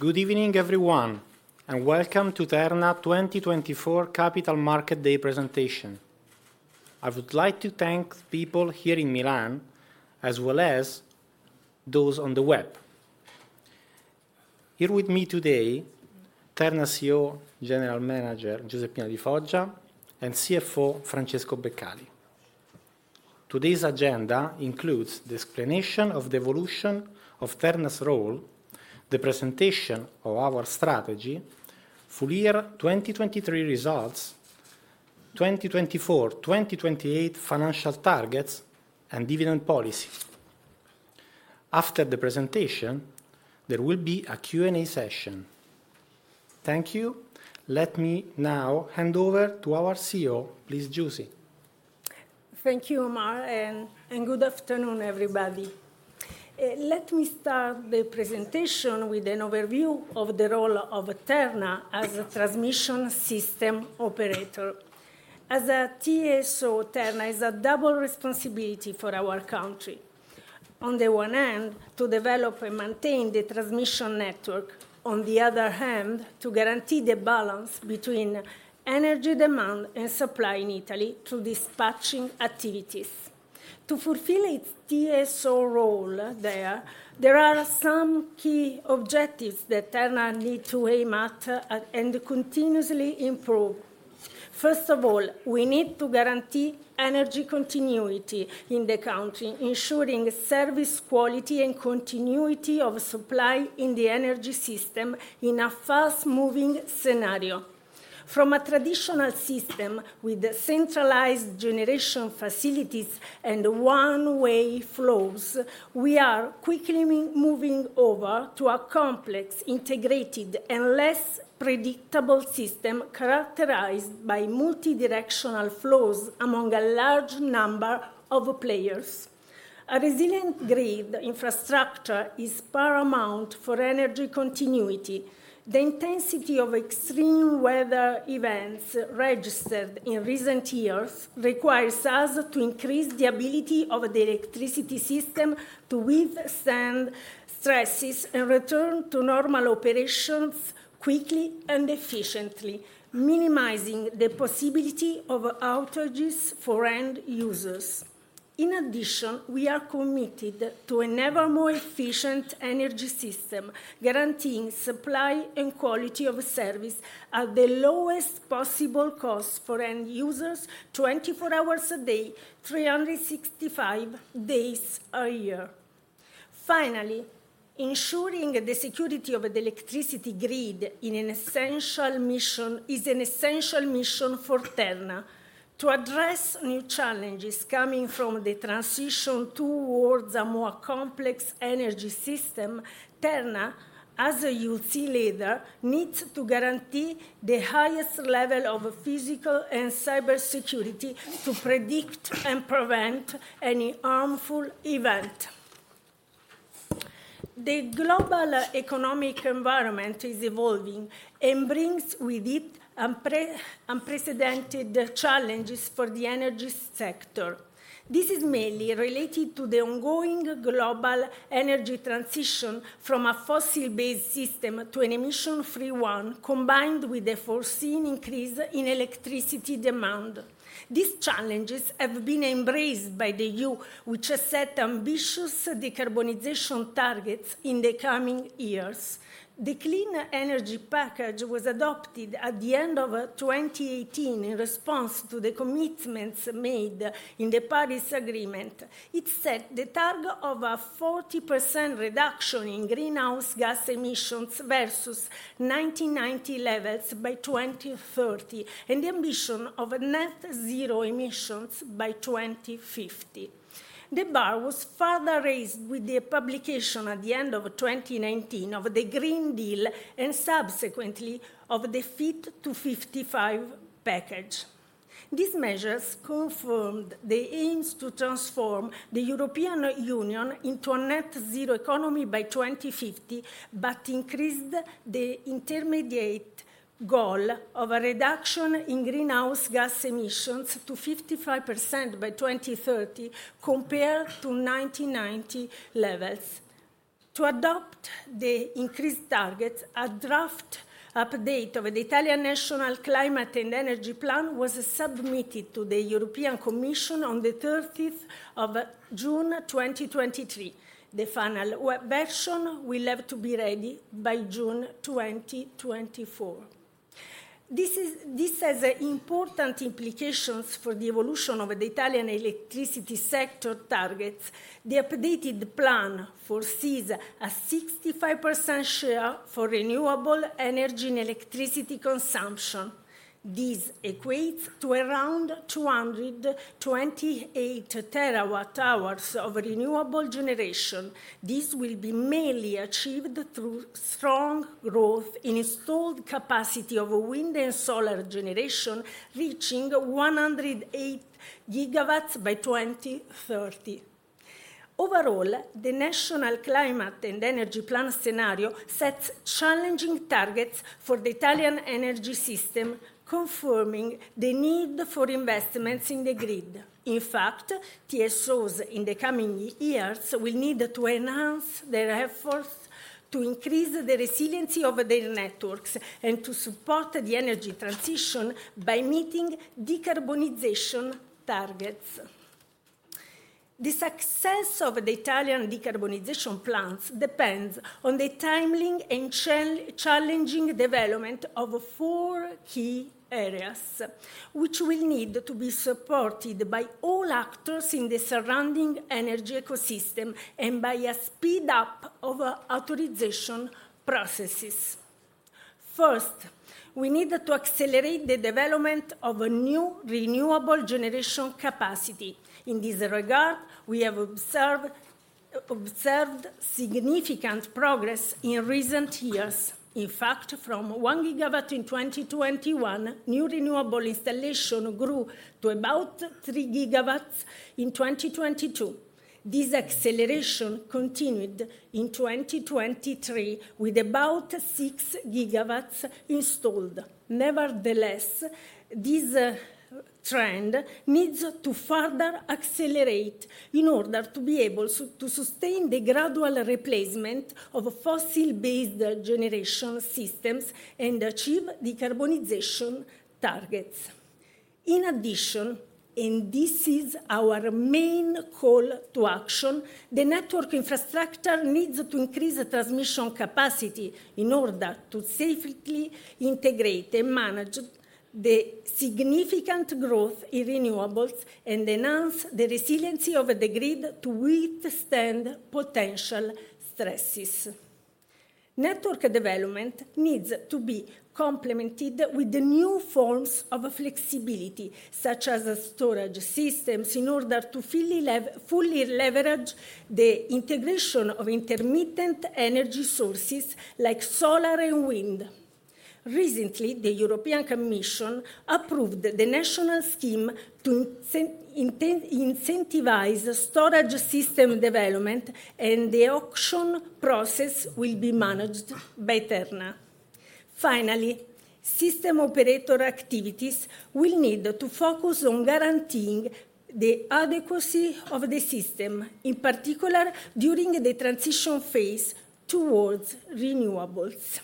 Good evening, everyone, and welcome to Terna 2024 Capital Market Day presentation. I would like to thank the people here in Milan as well as those on the web. Here with me today, Terna CEO General Manager Giuseppina Di Foggia and CFO Francesco Beccali. Today's agenda includes the explanation of the evolution of Terna's role, the presentation of our strategy, full year 2023 results, 2024-2028 financial targets, and dividend policy. After the presentation, there will be a Q&A session. Thank you. Let me now hand over to our CEO. Please, Giusy. Thank you, Omar, and good afternoon, everybody. Let me start the presentation with an overview of the role of Terna as a transmission system operator. As a TSO, Terna is a double responsibility for our country. On the one hand, to develop and maintain the transmission network. On the other hand, to guarantee the balance between energy demand and supply in Italy through dispatching activities. To fulfill its TSO role there, there are some key objectives that Terna needs to aim at and continuously improve. First of all, we need to guarantee energy continuity in the country, ensuring service quality and continuity of supply in the energy system in a fast-moving scenario. From a traditional system with centralized generation facilities and one-way flows, we are quickly moving over to a complex, integrated, and less predictable system characterized by multidirectional flows among a large number of players. A resilient grid infrastructure is paramount for energy continuity. The intensity of extreme weather events registered in recent years requires us to increase the ability of the electricity system to withstand stresses and return to normal operations quickly and efficiently, minimizing the possibility of outages for end users. In addition, we are committed to an ever more efficient energy system, guaranteeing supply and quality of service at the lowest possible cost for end users, 24 hours a day, 365 days a year. Finally, ensuring the security of the electricity grid is an essential mission for Terna. To address new challenges coming from the transition towards a more complex energy system, Terna, as a TSO leader, needs to guarantee the highest level of physical and cybersecurity to predict and prevent any harmful event. The global economic environment is evolving and brings with it unprecedented challenges for the energy sector. This is mainly related to the ongoing global energy transition from a fossil-based system to an emission-free one, combined with a foreseen increase in electricity demand. These challenges have been embraced by the EU, which has set ambitious decarbonization targets in the coming years. The Clean Energy Package was adopted at the end of 2018 in response to the commitments made in the Paris Agreement. It set the target of a 40% reduction in greenhouse gas emissions versus 1990 levels by 2030 and the ambition of net-zero emissions by 2050. The bar was further raised with the publication at the end of 2019 of the Green Deal and subsequently of the Fit for 55 package. These measures confirmed the aims to transform the European Union into a net-zero economy by 2050, but increased the intermediate goal of a reduction in greenhouse gas emissions to 55% by 2030 compared to 1990 levels. To adopt the increased targets, a draft update of the Italian National Climate and Energy Plan was submitted to the European Commission on the 30th of June, 2023. The final version will have to be ready by June 2024. This has important implications for the evolution of the Italian electricity sector targets. The updated plan foresees a 65% share for renewable energy and electricity consumption. This equates to around 228 TWh of renewable generation. This will be mainly achieved through strong growth in installed capacity of wind and solar generation, reaching 108 GW by 2030. Overall, the National Climate and Energy Plan scenario sets challenging targets for the Italian energy system, confirming the need for investments in the grid. In fact, TSOs in the coming years will need to enhance their efforts to increase the resiliency of their networks and to support the energy transition by meeting decarbonization targets. The success of the Italian decarbonization plans depends on the timely and challenging development of four key areas, which will need to be supported by all actors in the surrounding energy ecosystem and by a speed-up of authorization processes. First, we need to accelerate the development of new renewable generation capacity. In this regard, we have observed significant progress in recent years. In fact, from 1 GW in 2021, new renewable installation grew to about 3 GW in 2022. This acceleration continued in 2023 with about 6 GW installed. Nevertheless, this trend needs to further accelerate in order to be able to sustain the gradual replacement of fossil-based generation systems and achieve decarbonization targets. In addition, and this is our main call to action, the network infrastructure needs to increase transmission capacity in order to safely integrate and manage the significant growth in renewables and enhance the resiliency of the grid to withstand potential stresses. Network development needs to be complemented with new forms of flexibility, such as storage systems, in order to fully leverage the integration of intermittent energy sources like solar and wind. Recently, the European Commission approved the national scheme to incentivize storage system development, and the auction process will be managed by Terna. Finally, system operator activities will need to focus on guaranteeing the adequacy of the system, in particular during the transition phase towards renewables.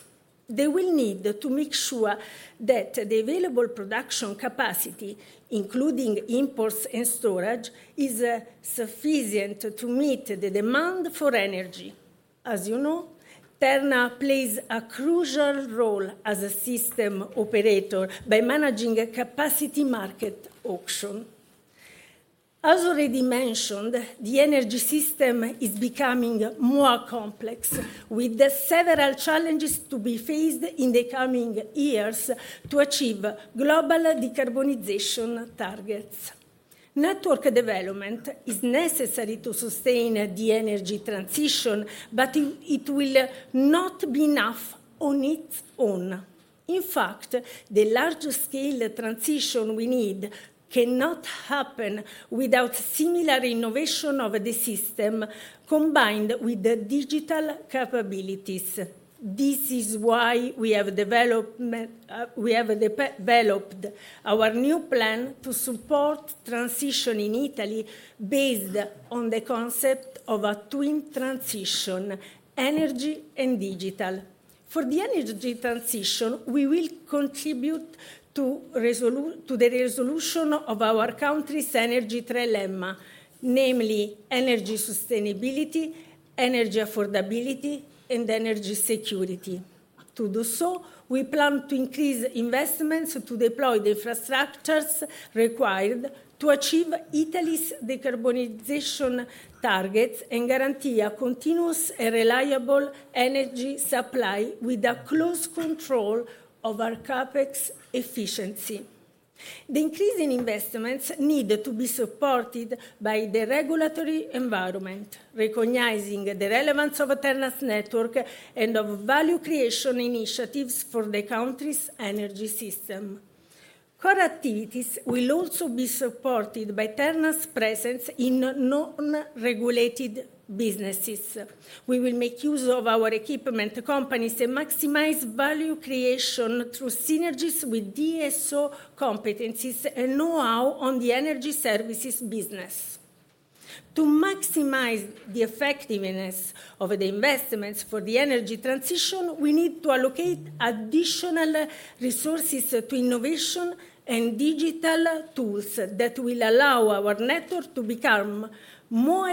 They will need to make sure that the available production capacity, including imports and storage, is sufficient to meet the demand for energy. As you know, Terna plays a crucial role as a system operator by managing a capacity market auction. As already mentioned, the energy system is becoming more complex, with several challenges to be faced in the coming years to achieve global decarbonization targets. Network development is necessary to sustain the energy transition, but it will not be enough on its own. In fact, the large-scale transition we need cannot happen without similar innovation of the system combined with digital capabilities. This is why we have developed our new plan to support transition in Italy based on the concept of a Twin Transition: energy and digital. For the energy transition, we will contribute to the resolution of our country's energy trilemma, namely energy sustainability, energy affordability, and energy security. To do so, we plan to increase investments to deploy the infrastructures required to achieve Italy's decarbonization targets and guarantee a continuous and reliable energy supply with a close control of our CapEx efficiency. The increase in investments needs to be supported by the regulatory environment, recognizing the relevance of Terna's network and of value creation initiatives for the country's energy system. Core activities will also be supported by Terna's presence in non-regulated businesses. We will make use of our equipment companies and maximize value creation through synergies with DSO competencies and know-how on the energy services business. To maximize the effectiveness of the investments for the energy transition, we need to allocate additional resources to innovation and digital tools that will allow our network to become more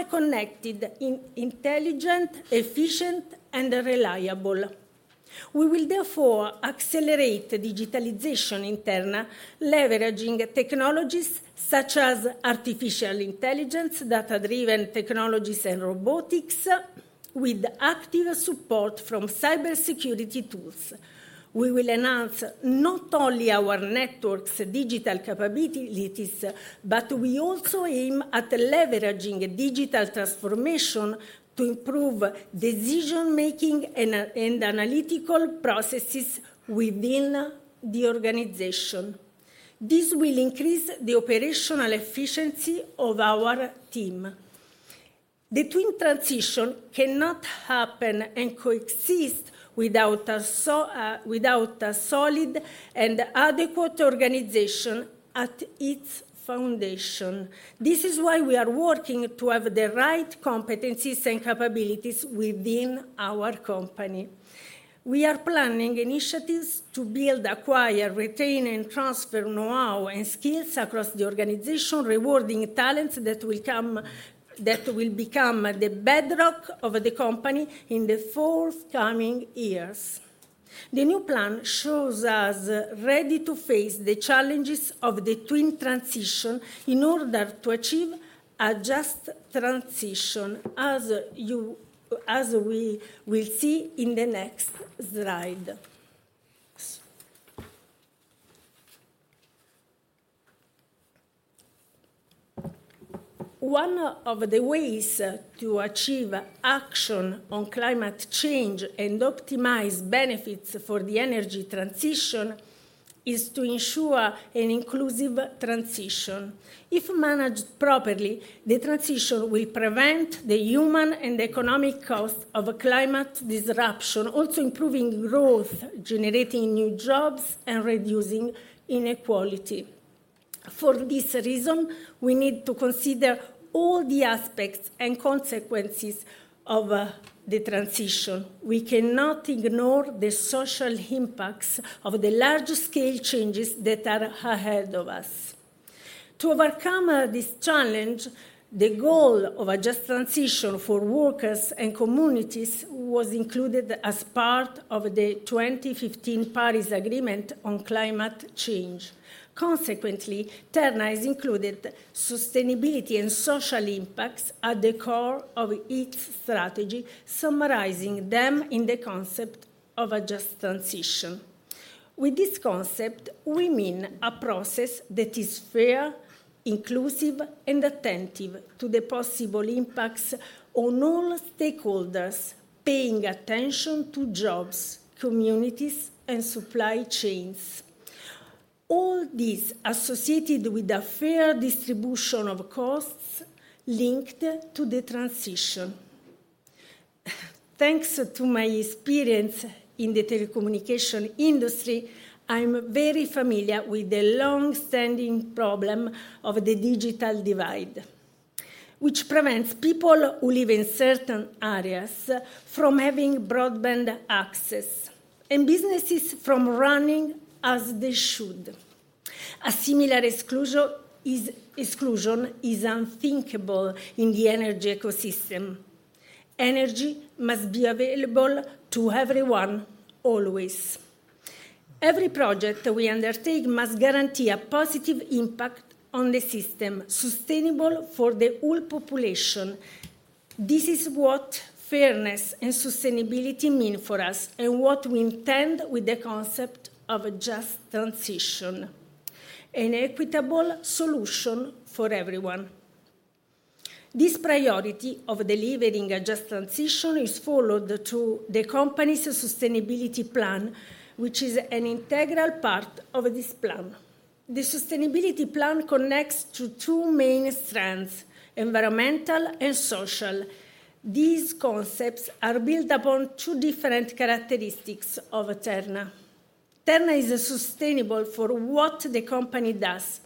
connected, intelligent, efficient, and reliable. We will therefore accelerate digitalization in Terna, leveraging technologies such as artificial intelligence, data-driven technologies, and robotics with active support from cybersecurity tools. We will enhance not only our network's digital capabilities, but we also aim at leveraging digital transformation to improve decision-making and analytical processes within the organization. This will increase the operational efficiency of our team. The Twin Transition cannot happen and coexist without a solid and adequate organization at its foundation. This is why we are working to have the right competencies and capabilities within our company. We are planning initiatives to build, acquire, retain, and transfer know-how and skills across the organization, rewarding talents that will become the bedrock of the company in the forthcoming years. The new plan shows us ready to face the challenges of the twin transition in order to achieve a just transition, as we will see in the next slide. One of the ways to achieve action on climate change and optimize benefits for the energy transition is to ensure an inclusive transition. If managed properly, the transition will prevent the human and economic cost of climate disruption, also improving growth, generating new jobs, and reducing inequality. For this reason, we need to consider all the aspects and consequences of the transition. We cannot ignore the social impacts of the large-scale changes that are ahead of us. To overcome this challenge, the goal of a just transition for workers and communities was included as part of the 2015 Paris Agreement on climate change. Consequently, Terna has included sustainability and social impacts at the core of its strategy, summarizing them in the concept of a just transition. With this concept, we mean a process that is fair, inclusive, and attentive to the possible impacts on all stakeholders, paying attention to jobs, communities, and supply chains. All this is associated with a fair distribution of costs linked to the transition. Thanks to my experience in the telecommunication industry, I'm very familiar with the long-standing problem of the digital divide, which prevents people who live in certain areas from having broadband access and businesses from running as they should. A similar exclusion is unthinkable in the energy ecosystem. Energy must be available to everyone, always. Every project we undertake must guarantee a positive impact on the system, sustainable for the whole population. This is what fairness and sustainability mean for us and what we intend with the concept of a just transition: an equitable solution for everyone. This priority of delivering a just transition is followed through the company's sustainability plan, which is an integral part of this plan. The sustainability plan connects to two main strands: environmental and social. These concepts are built upon two different characteristics of Terna. Terna is sustainable for what the company does.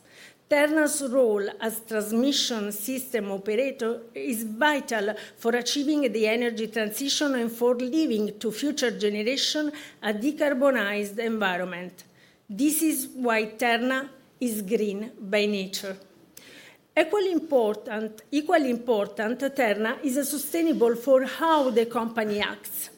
Terna's role as transmission system operator is vital for achieving the energy transition and for leaving to future generation a decarbonized environment. This is why Terna is green by nature. Equally important, Terna is sustainable for how the company acts.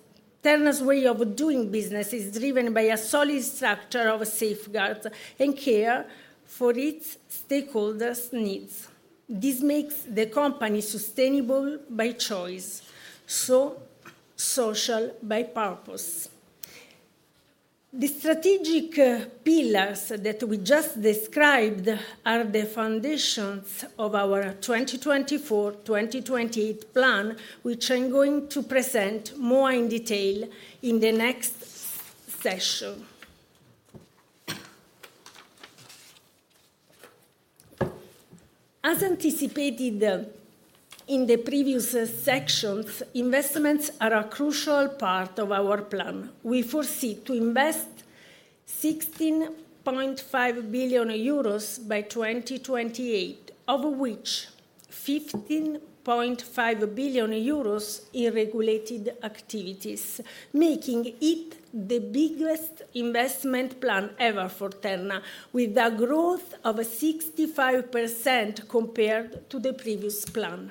Terna's way of doing business is driven by a solid structure of safeguards and care for its stakeholders' needs. This makes the company sustainable by choice, so social by purpose. The strategic pillars that we just described are the foundations of our 2024-2028 plan, which I'm going to present more in detail in the next session. As anticipated in the previous sections, investments are a crucial part of our plan. We foresee to invest 16.5 billion euros by 2028, of which 15.5 billion euros in regulated activities, making it the biggest investment plan ever for Terna, with a growth of 65% compared to the previous plan.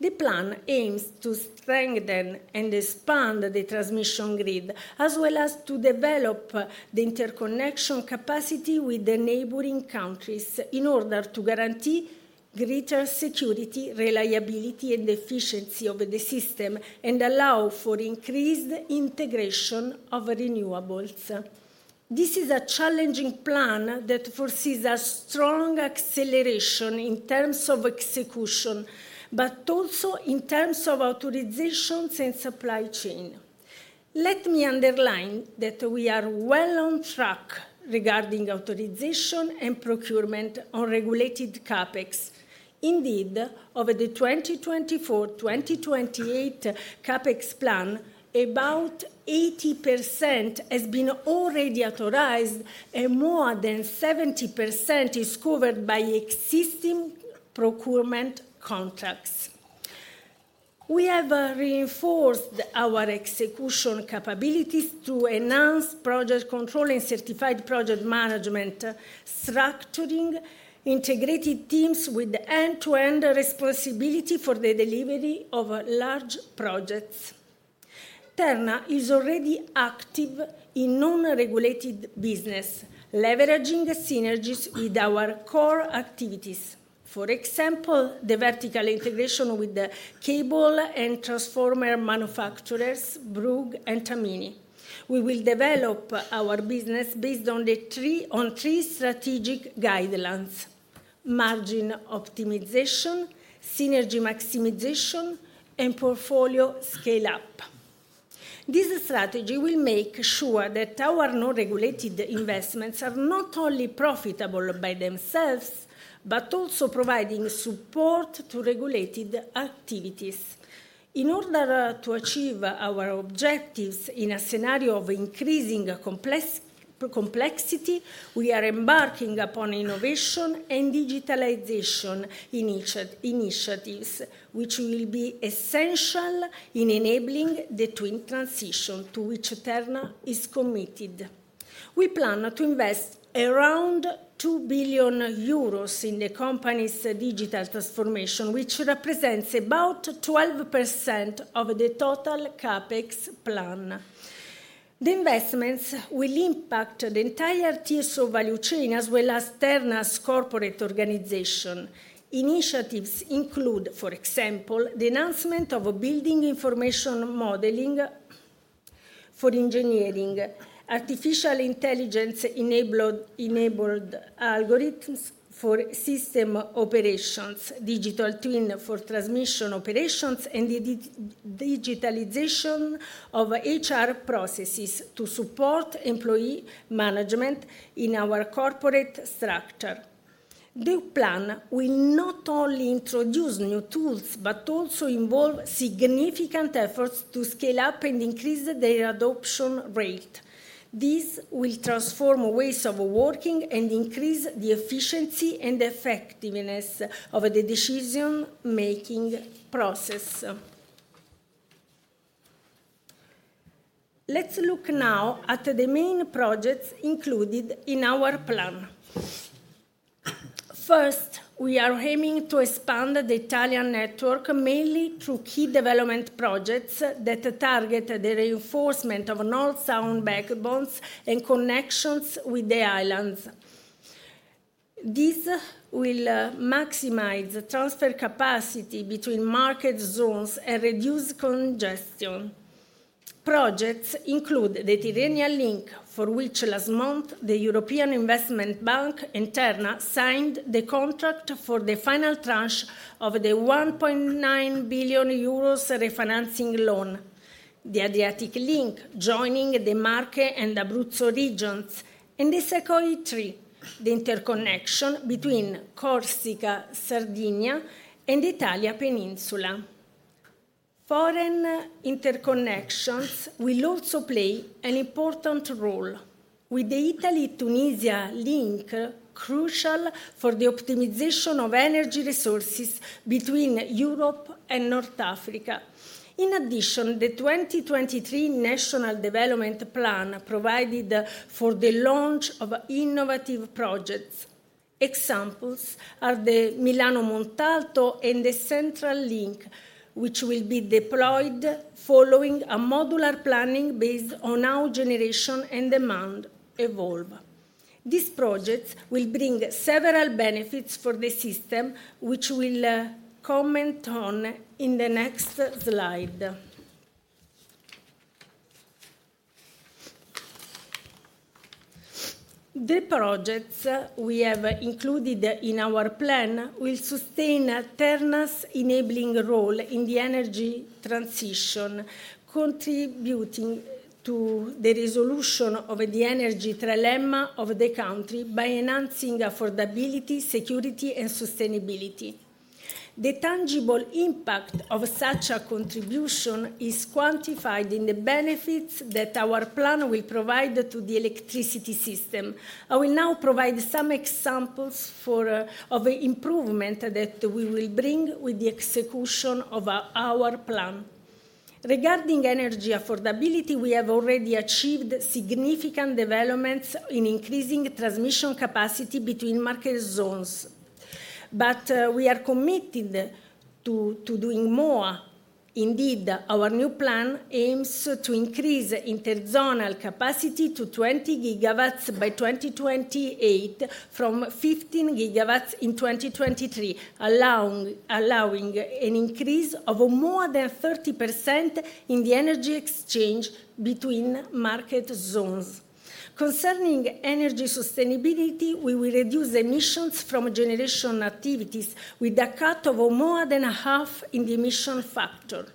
The plan aims to strengthen and expand the transmission grid, as well as to develop the interconnection capacity with the neighboring countries in order to guarantee greater security, reliability, and efficiency of the system, and allow for increased integration of renewables. This is a challenging plan that foresees a strong acceleration in terms of execution, but also in terms of authorizations and supply chain. Let me underline that we are well on track regarding authorization and procurement on regulated CapEx. Indeed, over the 2024-2028 CapEx plan, about 80% has been already authorized, and more than 70% is covered by existing procurement contracts. We have reinforced our execution capabilities through enhanced project control and certified project management, structuring integrated teams with end-to-end responsibility for the delivery of large projects. Terna is already active in non-regulated business, leveraging synergies with our core activities. For example, the vertical integration with cable and transformer manufacturers Brugg and Tamini. We will develop our business based on three strategic guidelines: margin optimization, synergy maximization, and portfolio scale-up. This strategy will make sure that our non-regulated investments are not only profitable by themselves, but also providing support to regulated activities. In order to achieve our objectives in a scenario of increasing complexity, we are embarking upon innovation and digitalization initiatives, which will be essential in enabling the Twin Transition to which Terna is committed. We plan to invest around 2 billion euros in the company's digital transformation, which represents about 12% of the total CapEx plan. The investments will impact the entire tier of value chain, as well as Terna's corporate organization. Initiatives include, for example, the enhancement of building information modeling for engineering, artificial intelligence-enabled algorithms for system operations, Digital Twin for transmission operations, and the digitalization of HR processes to support employee management in our corporate structure. The plan will not only introduce new tools, but also involve significant efforts to scale up and increase their adoption rate. This will transform ways of working and increase the efficiency and effectiveness of the decision-making process. Let's look now at the main projects included in our plan. First, we are aiming to expand the Italian network mainly through key development projects that target the reinforcement of north-south backbones and connections with the islands. This will maximize transfer capacity between market zones and reduce congestion. Projects include the Tyrrhenian Link, for which last month the European Investment Bank and Terna signed the contract for the final tranche of the 1.9 billion euros refinancing loan. The Adriatic Link, joining the Marche and Abruzzo regions. And the Sa.Co.I. 3, the interconnection between Corsica, Sardinia, and the Italian Peninsula. Foreign interconnections will also play an important role, with the Italy-Tunisia Link crucial for the optimization of energy resources between Europe and North Africa. In addition, the 2023 National Development Plan provided for the launch of innovative projects. Examples are the Milano-Montalto and the Central Link, which will be deployed following a modular planning based on how generation and demand evolve. These projects will bring several benefits for the system, which we will comment on in the next slide. The projects we have included in our plan will sustain Terna's enabling role in the energy transition, contributing to the resolution of the energy trilemma of the country by enhancing affordability, security, and sustainability. The tangible impact of such a contribution is quantified in the benefits that our plan will provide to the electricity system. I will now provide some examples of improvements that we will bring with the execution of our plan. Regarding energy affordability, we have already achieved significant developments in increasing transmission capacity between market zones. We are committed to doing more. Indeed, our new plan aims to increase interzonal capacity to 20 GW by 2028 from 15 GW in 2023, allowing an increase of more than 30% in the energy exchange between market zones. Concerning energy sustainability, we will reduce emissions from generation activities with a cut of more than half in the emission factor.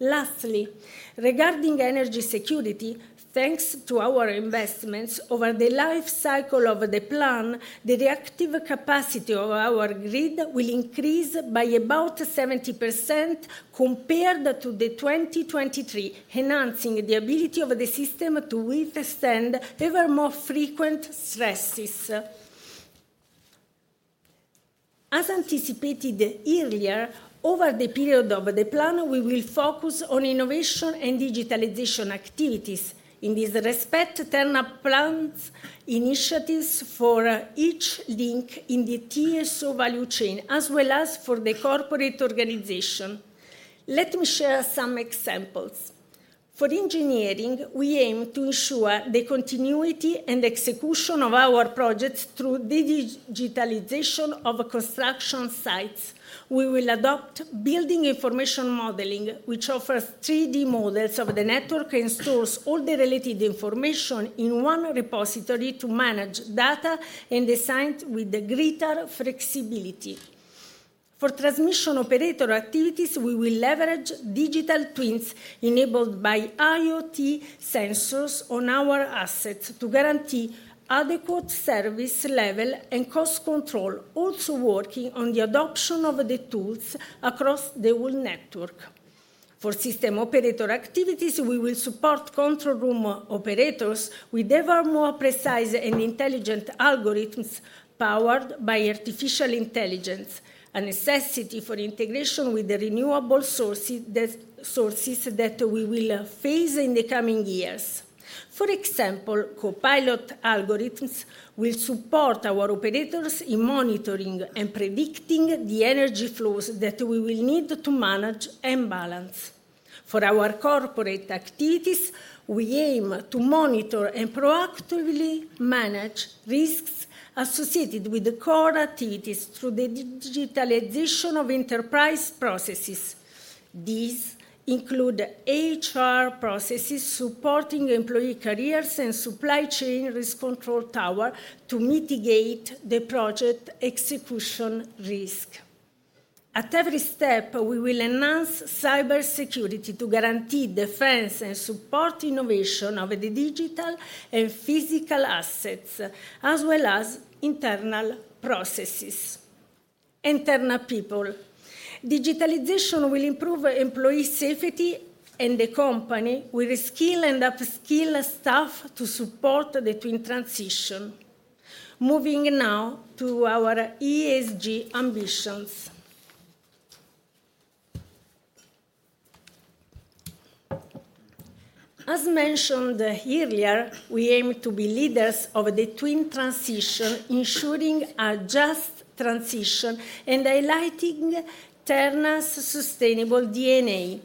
Lastly, regarding energy security, thanks to our investments over the lifecycle of the plan, the reactive capacity of our grid will increase by about 70% compared to 2023, enhancing the ability of the system to withstand ever more frequent stresses. As anticipated earlier, over the period of the plan, we will focus on innovation and digitalization activities. In this respect, Terna plans initiatives for each link in the TSO value chain, as well as for the corporate organization. Let me share some examples. For engineering, we aim to ensure the continuity and execution of our projects through the digitalization of construction sites. We will adopt building information modeling, which offers 3D models of the network and stores all the related information in one repository to manage data and designs with greater flexibility. For transmission operator activities, we will leverage digital twins enabled by IoT sensors on our assets to guarantee adequate service level and cost control, also working on the adoption of the tools across the whole network. For system operator activities, we will support control room operators with ever more precise and intelligent algorithms powered by artificial intelligence, a necessity for integration with the renewable sources that we will face in the coming years. For example, Copilot algorithms will support our operators in monitoring and predicting the energy flows that we will need to manage and balance. For our corporate activities, we aim to monitor and proactively manage risks associated with the core activities through the digitalization of enterprise processes. These include HR processes supporting employee careers and supply chain risk control tower to mitigate the project execution risk. At every step, we will enhance cybersecurity to guarantee defense and support innovation of the digital and physical assets, as well as internal processes. And Terna people, digitalization will improve employee safety and the company will reskill and upskill staff to support the twin transition. Moving now to our ESG ambitions. As mentioned earlier, we aim to be leaders of the twin transition, ensuring a just transition and highlighting Terna's sustainable DNA.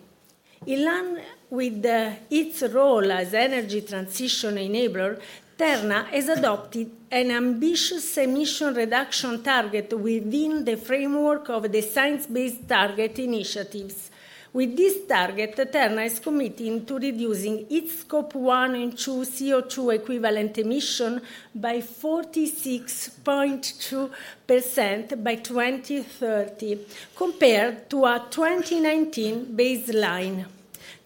In line with its role as energy transition enabler, Terna has adopted an ambitious emission reduction target within the framework of the Science Based Targets initiative. With this target, Terna is committing to reducing its Scope 1 and 2 CO2 equivalent emission by 46.2% by 2030, compared to a 2019 baseline.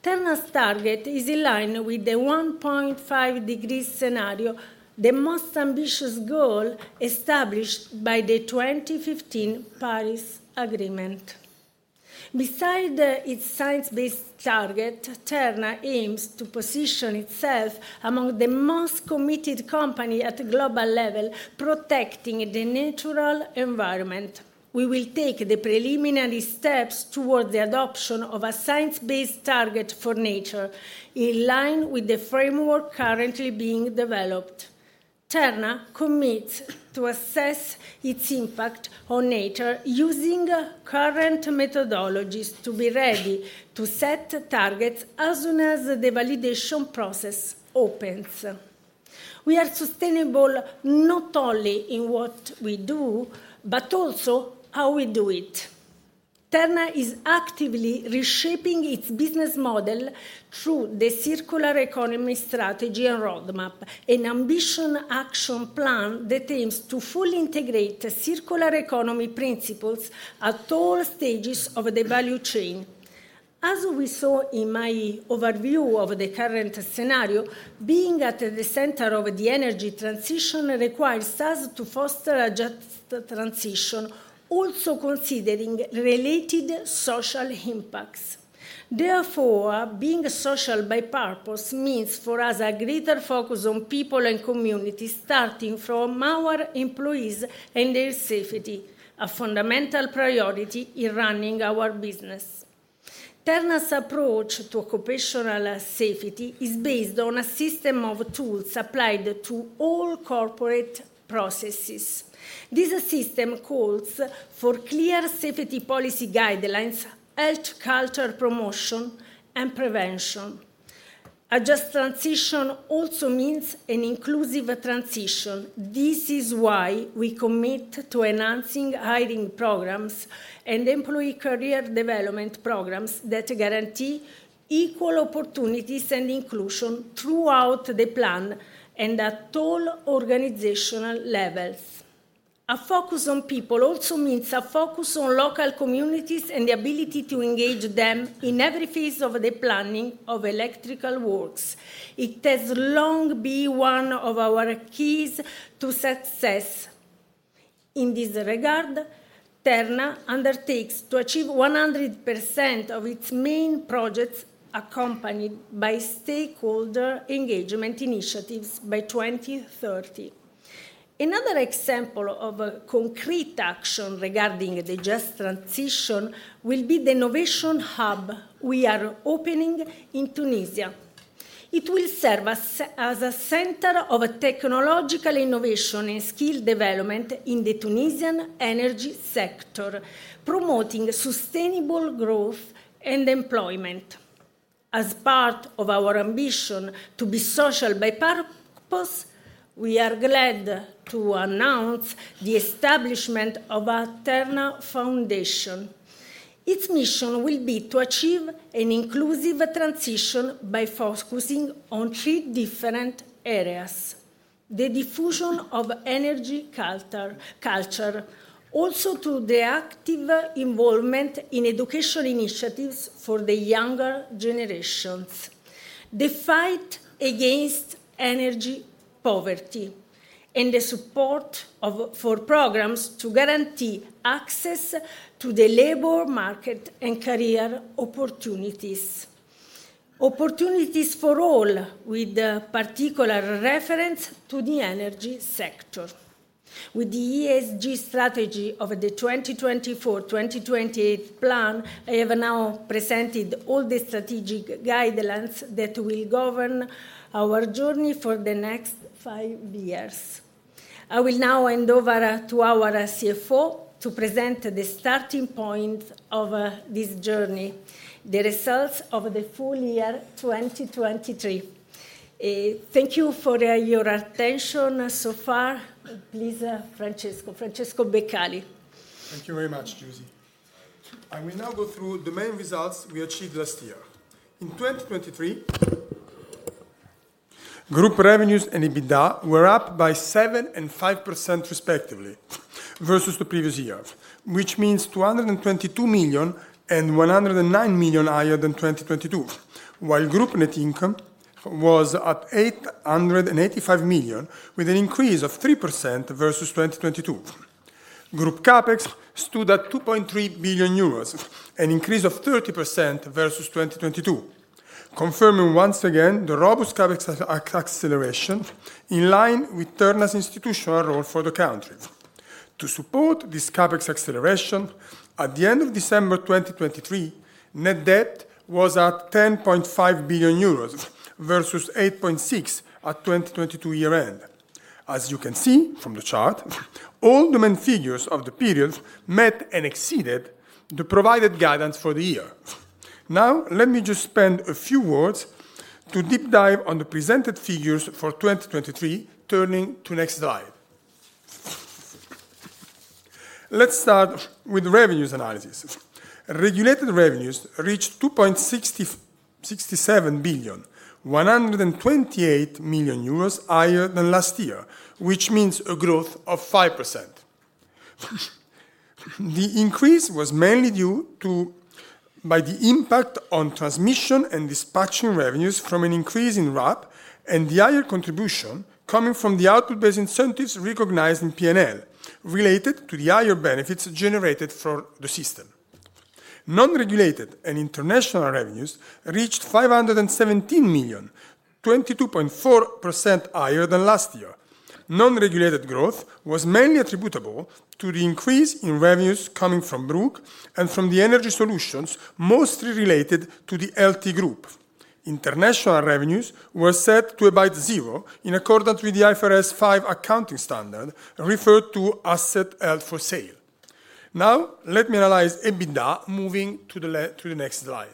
Terna's target is in line with the 1.5 degrees scenario, the most ambitious goal established by the 2015 Paris Agreement. Besides its science-based target, Terna aims to position itself among the most committed company at a global level protecting the natural environment. We will take the preliminary steps towards the adoption of a science-based target for nature in line with the framework currently being developed. Terna commits to assess its impact on nature using current methodologies to be ready to set targets as soon as the validation process opens. We are sustainable not only in what we do, but also how we do it. Terna is actively reshaping its business model through the circular economy strategy and roadmap, an ambition action plan that aims to fully integrate circular economy principles at all stages of the value chain. As we saw in my overview of the current scenario, being at the center of the energy transition requires us to foster a just transition, also considering related social impacts. Therefore, being social by purpose means for us a greater focus on people and communities, starting from our employees and their safety, a fundamental priority in running our business. Terna's approach to occupational safety is based on a system of tools applied to all corporate processes. This system calls for clear safety policy guidelines, health culture promotion, and prevention. A just transition also means an inclusive transition. This is why we commit to enhancing hiring programs and employee career development programs that guarantee equal opportunities and inclusion throughout the plan and at all organizational levels. A focus on people also means a focus on local communities and the ability to engage them in every phase of the planning of electrical works. It has long been one of our keys to success. In this regard, Terna undertakes to achieve 100% of its main projects accompanied by stakeholder engagement initiatives by 2030. Another example of concrete action regarding the just transition will be the innovation hub we are opening in Tunisia. It will serve us as a center of technological innovation and skill development in the Tunisian energy sector, promoting sustainable growth and employment. As part of our ambition to be social by purpose, we are glad to announce the establishment of our Terna Foundation. Its mission will be to achieve an inclusive transition by focusing on three different areas: the diffusion of energy culture, also through the active involvement in education initiatives for the younger generations, the fight against energy poverty, and the support for programs to guarantee access to the labor market and career opportunities. Opportunities for all, with particular reference to the energy sector. With the ESG strategy of the 2024-2028 plan, I have now presented all the strategic guidelines that will govern our journey for the next five years. I will now hand over to our CFO to present the starting point of this journey, the results of the full year 2023. Thank you for your attention so far. Please, Francesco. Francesco Beccali. Thank you very much, Giusy. I will now go through the main results we achieved last year. In 2023, group revenues and EBITDA were up by 7% and 5% respectively versus the previous year, which means 222 million and 109 million higher than 2022, while group net income was at 885 million, with an increase of 3% versus 2022. Group CapEx stood at 2.3 billion euros, an increase of 30% versus 2022, confirming once again the robust CapEx acceleration in line with Terna's institutional role for the country. To support this CapEx acceleration, at the end of December 2023, net debt was at 10.5 billion euros versus 8.6 billion at 2022 year-end. As you can see from the chart, all the main figures of the period met and exceeded the provided guidance for the year. Now, let me just spend a few words to deep dive on the presented figures for 2023, turning to the next slide. Let's start with revenues analysis. Regulated revenues reached 2.67 billion, 128 million euros higher than last year, which means a growth of 5%. The increase was mainly due to the impact on transmission and dispatching revenues from an increase in RAB and the higher contribution coming from the output-based incentives recognized in P&L, related to the higher benefits generated for the system. Non-regulated and international revenues reached 517 million, 22.4% higher than last year. Non-regulated growth was mainly attributable to the increase in revenues coming from Brugg and from the energy solutions mostly related to the LT Group. International revenues were set to about zero in accordance with the IFRS 5 accounting standard, referred to asset held for sale. Now, let me analyze EBITDA moving to the next slide.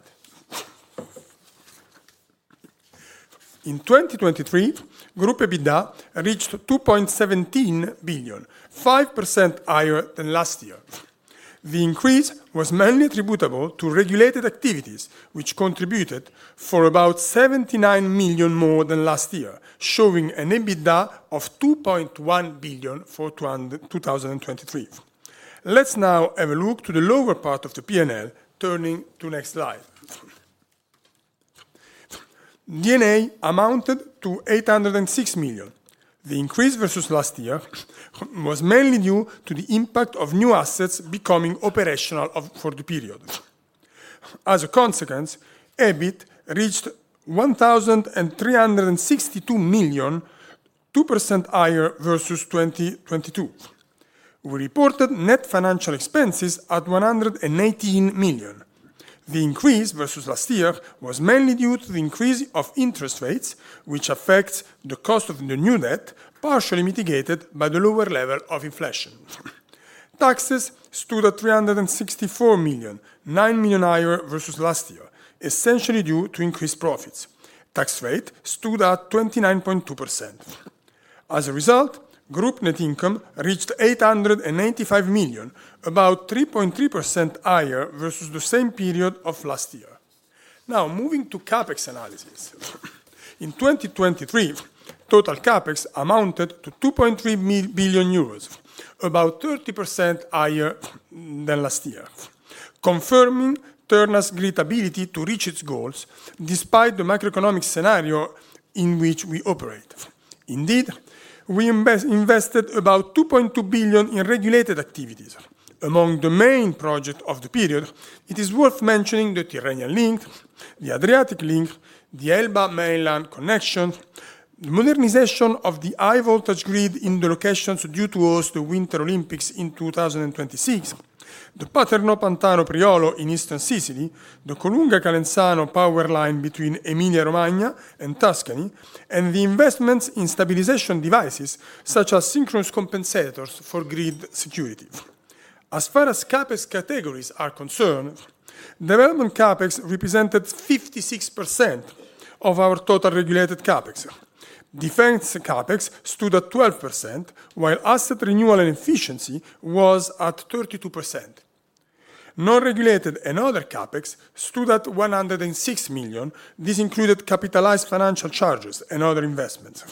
In 2023, group EBITDA reached 2.17 billion, 5% higher than last year. The increase was mainly attributable to regulated activities, which contributed for about 79 million more than last year, showing an EBITDA of 2.1 billion for 2023. Let's now have a look to the lower part of the P&L, turning to the next slide. D&A amounted to 806 million. The increase versus last year was mainly due to the impact of new assets becoming operational for the period. As a consequence, EBIT reached 1,362 million, 2% higher versus 2022. We reported net financial expenses at 118 million. The increase versus last year was mainly due to the increase of interest rates, which affects the cost of the new debt, partially mitigated by the lower level of inflation. Taxes stood at 364 million, 9 million higher versus last year, essentially due to increased profits. Tax rate stood at 29.2%. As a result, group net income reached 885 million, about 3.3% higher versus the same period of last year. Now, moving to CapEx analysis. In 2023, total CapEx amounted to 2.3 billion euros, about 30% higher than last year, confirming Terna's great ability to reach its goals despite the macroeconomic scenario in which we operate. Indeed, we invested about 2.2 billion in regulated activities. Among the main projects of the period, it is worth mentioning the Tyrrhenian Link, the Adriatic Link, the Elba mainland connection, the modernization of the high-voltage grid in the locations due to host the Winter Olympics in 2026, the Paternò-Pantano-Priolo in eastern Sicily, the Colunga-Calenzano power line between Emilia-Romagna and Tuscany, and the investments in stabilization devices such as synchronous compensators for grid security. As far as CapEx categories are concerned, development CapEx represented 56% of our total regulated CapEx. Defense CapEx stood at 12%, while asset renewal and efficiency was at 32%. Non-regulated and other CapEx stood at 106 million. This included capitalized financial charges and other investments.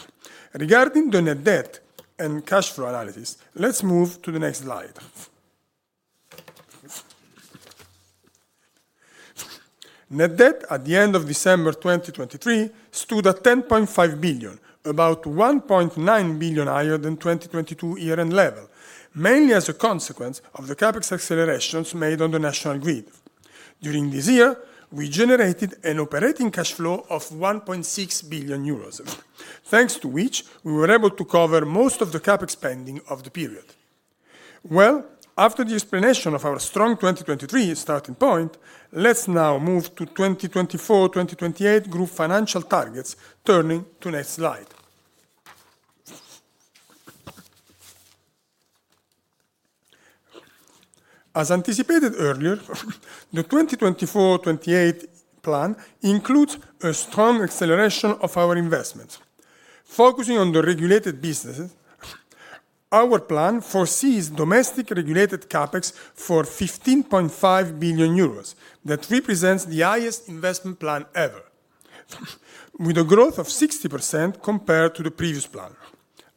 Regarding the net debt and cash flow analysis, let's move to the next slide. Net debt at the end of December 2023 stood at 10.5 billion, about 1.9 billion higher than 2022 year-end level, mainly as a consequence of the CapEx accelerations made on the national grid. During this year, we generated an operating cash flow of 1.6 billion euros, thanks to which we were able to cover most of the CapEx spending of the period. Well, after the explanation of our strong 2023 starting point, let's now move to 2024-2028 group financial targets, turning to the next slide. As anticipated earlier, the 2024-2028 plan includes a strong acceleration of our investments. Focusing on the regulated businesses, our plan foresees domestic regulated CapEx for 15.5 billion euros, that represents the highest investment plan ever, with a growth of 60% compared to the previous plan.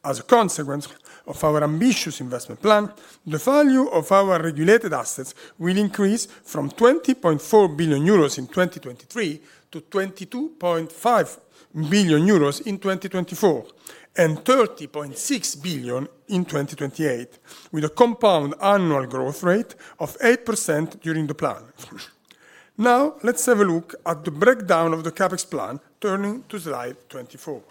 As a consequence of our ambitious investment plan, the value of our regulated assets will increase from 20.4 billion euros in 2023 to 22.5 billion euros in 2024 and 30.6 billion in 2028, with a compound annual growth rate of 8% during the plan. Now, let's have a look at the breakdown of the CapEx plan, turning to slide 24.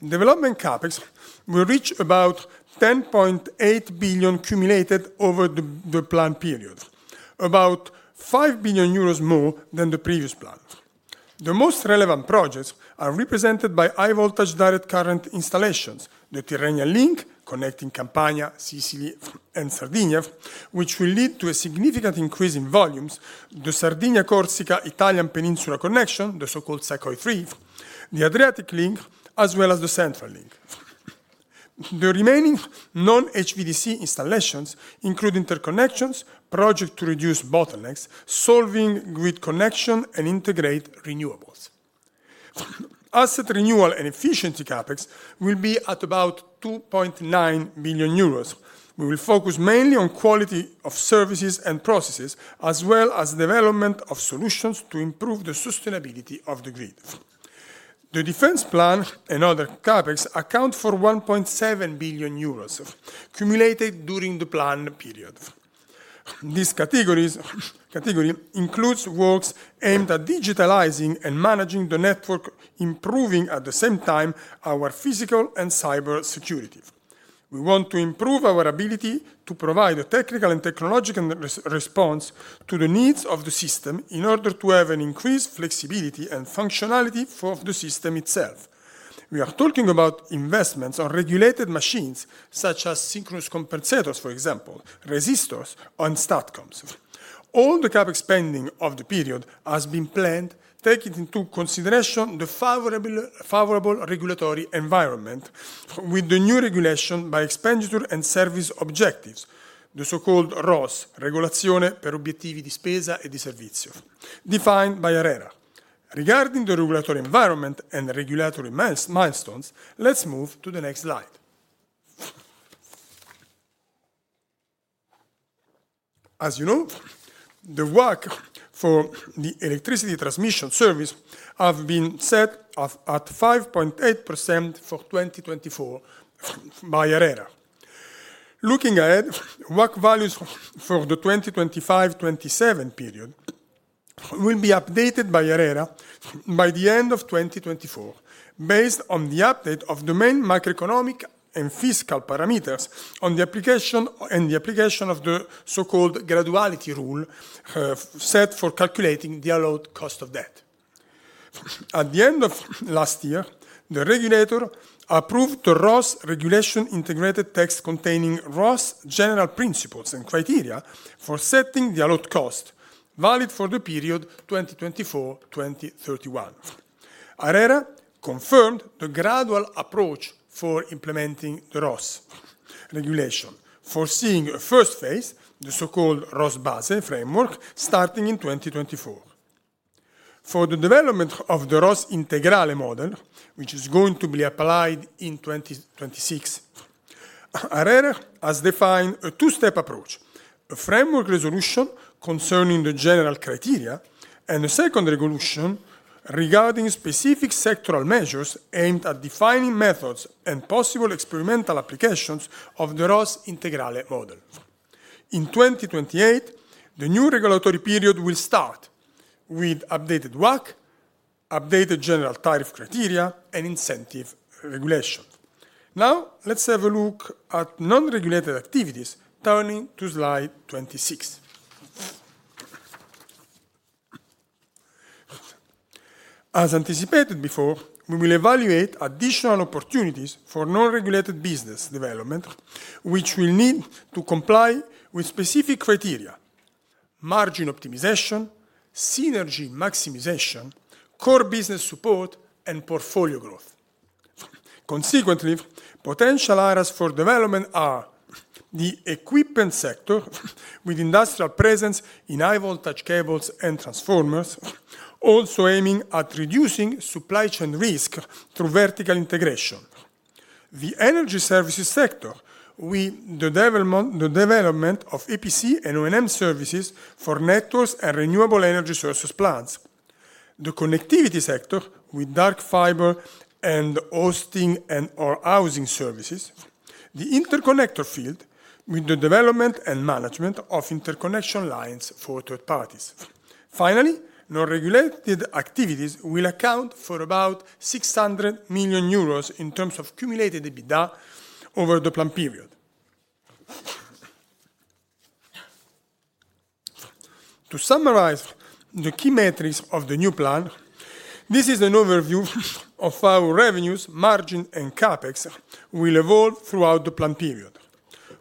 Development CapEx will reach about 10.8 billion cumulated over the plan period, about 5 billion euros more than the previous plan. The most relevant projects are represented by high-voltage direct current installations, the Tyrrhenian Link connecting Campania, Sicily, and Sardinia, which will lead to a significant increase in volumes, the Sardinia-Corsica-Italian Peninsula connection, the so-called Sa.Co.I. 3, the Adriatic Link, as well as the Central Link. The remaining non-HVDC installations include interconnections, projects to reduce bottlenecks, solving grid connection, and integrate renewables. Asset renewal and efficiency capex will be at about 2.9 billion euros. We will focus mainly on quality of services and processes, as well as development of solutions to improve the sustainability of the grid. The defense plan and other capex account for 1.7 billion euros cumulated during the plan period. This category includes works aimed at digitalizing and managing the network, improving at the same time our physical and cyber security. We want to improve our ability to provide a technical and technological response to the needs of the system in order to have an increased flexibility and functionality of the system itself. We are talking about investments on regulated machines, such as synchronous compensators, for example, resistors, and statcoms. All the CapEx spending of the period has been planned, taking into consideration the favorable regulatory environment with the new regulation by expenditure and service objectives, the so-called ROS, Regolazione per Obiettivi di Spesa e di Servizio, defined by ARERA. Regarding the regulatory environment and regulatory milestones, let's move to the next slide. As you know, the WACC for the electricity transmission service has been set at 5.8% for 2024 by ARERA. Looking ahead, WACC values for the 2025-2027 period will be updated by ARERA by the end of 2024 based on the update of the main macroeconomic and fiscal parameters and the application of the so-called graduality rule set for calculating the allowed cost of debt. At the end of last year, the regulator approved the ROS regulation integrated text containing ROS general principles and criteria for setting the allowed cost, valid for the period 2024-2031. ARERA confirmed the gradual approach for implementing the ROS regulation, foreseeing a first phase, the so-called ROS base framework, starting in 2024. For the development of the ROS integrale model, which is going to be applied in 2026, ARERA has defined a two-step approach, a framework resolution concerning the general criteria, and a second resolution regarding specific sectoral measures aimed at defining methods and possible experimental applications of the ROS integrale model. In 2028, the new regulatory period will start with updated WACC, updated general tariff criteria, and incentive regulation. Now, let's have a look at non-regulated activities, turning to slide 26. As anticipated before, we will evaluate additional opportunities for non-regulated business development, which will need to comply with specific criteria: margin optimization, synergy maximization, core business support, and portfolio growth. Consequently, potential areas for development are: the equipment sector, with industrial presence in high-voltage cables and transformers, also aiming at reducing supply chain risk through vertical integration. The energy services sector, with the development of EPC and O&M services for networks and renewable energy sources plants. The connectivity sector, with dark fiber and hosting and/or housing services. The interconnector field, with the development and management of interconnection lines for third parties. Finally, non-regulated activities will account for about 600 million euros in terms of cumulated EBITDA over the plan period. To summarize the key metrics of the new plan, this is an overview of how revenues, margin, and CapEx will evolve throughout the plan period.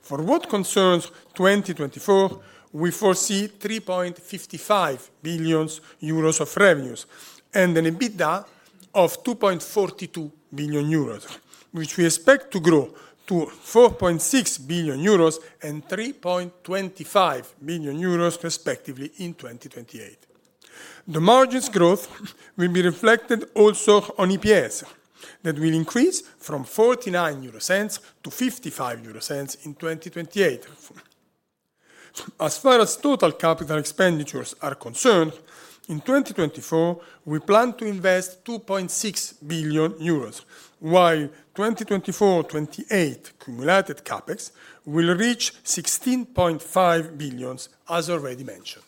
For what concerns 2024, we foresee 3.55 billion euros of revenues and an EBITDA of 2.42 billion euros, which we expect to grow to 4.6 billion euros and 3.25 billion euros, respectively, in 2028. The margin's growth will be reflected also on EPS, that will increase from 0.49 to 0.55 in 2028. As far as total capital expenditures are concerned, in 2024, we plan to invest 2.6 billion euros, while 2024-2028 cumulated CapEx will reach 16.5 billion, as already mentioned.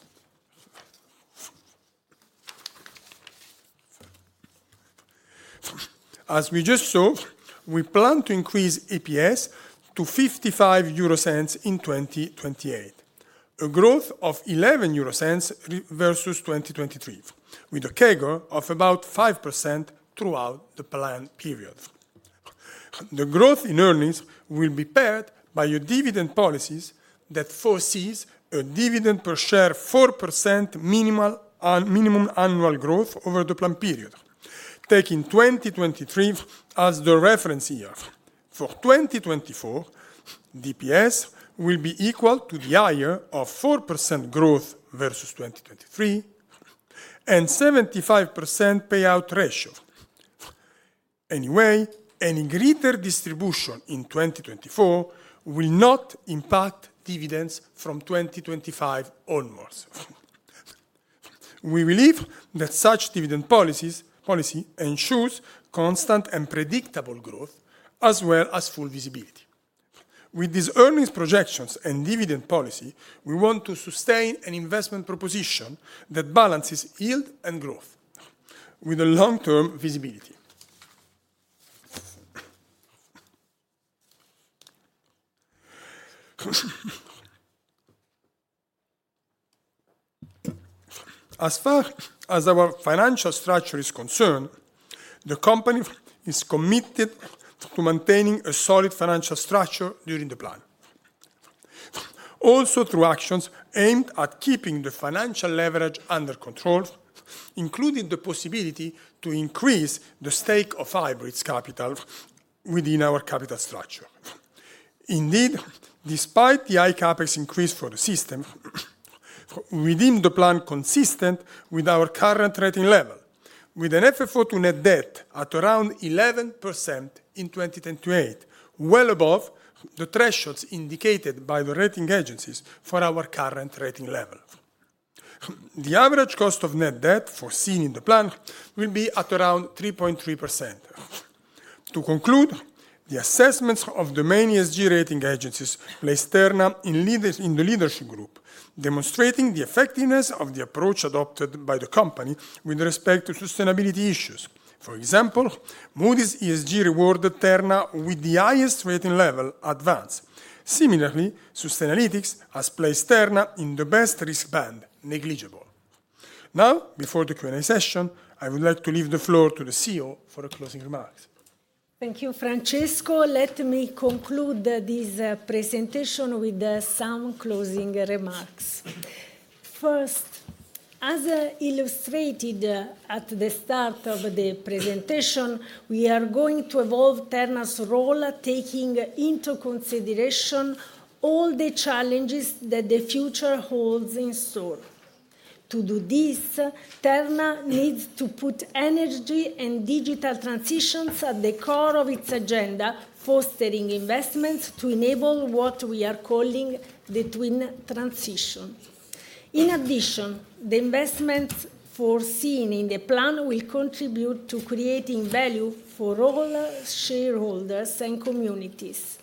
As we just saw, we plan to increase EPS to 0.55 in 2028, a growth of 0.11 versus 2023, with a CAGR of about 5% throughout the plan period. The growth in earnings will be paired by a dividend policy that foresees a dividend per share 4% minimum annual growth over the plan period, taking 2023 as the reference year. For 2024, DPS will be equal to the higher of 4% growth versus 2023 and 75% payout ratio. Anyway, any greater distribution in 2024 will not impact dividends from 2025 onwards. We believe that such dividend policy ensures constant and predictable growth, as well as full visibility. With these earnings projections and dividend policy, we want to sustain an investment proposition that balances yield and growth, with a long-term visibility. As far as our financial structure is concerned, the company is committed to maintaining a solid financial structure during the plan, also through actions aimed at keeping the financial leverage under control, including the possibility to increase the stake of hybrid capital within our capital structure. Indeed, despite the high CapEx increase for the system, we deem the plan consistent with our current rating level, with an FFO to net debt at around 11% in 2028, well above the thresholds indicated by the rating agencies for our current rating level. The average cost of net debt foreseen in the plan will be at around 3.3%. To conclude, the assessments of the main ESG rating agencies place Terna in the leadership group, demonstrating the effectiveness of the approach adopted by the company with respect to sustainability issues. For example, Moody's ESG rewarded Terna with the highest rating level, Advance. Similarly, Sustainalytics has placed Terna in the best risk band, Negligible. Now, before the Q&A session, I would like to leave the floor to the CEO for closing remarks. Thank you, Francesco. Let me conclude this presentation with some closing remarks. First, as illustrated at the start of the presentation, we are going to evolve Terna's role, taking into consideration all the challenges that the future holds in store. To do this, Terna needs to put energy and digital transitions at the core of its agenda, fostering investments to enable what we are calling the twin transition. In addition, the investments foreseen in the plan will contribute to creating value for all shareholders and communities.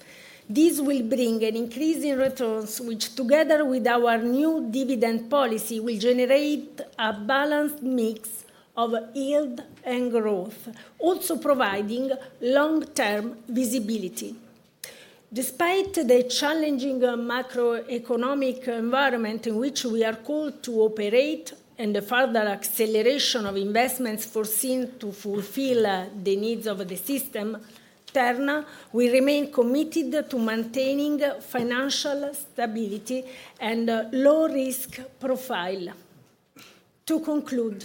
This will bring an increase in returns, which, together with our new dividend policy, will generate a balanced mix of yield and growth, also providing long-term visibility. Despite the challenging macroeconomic environment in which we are called to operate and the further acceleration of investments foreseen to fulfill the needs of the system, Terna, we remain committed to maintaining financial stability and a low-risk profile. To conclude,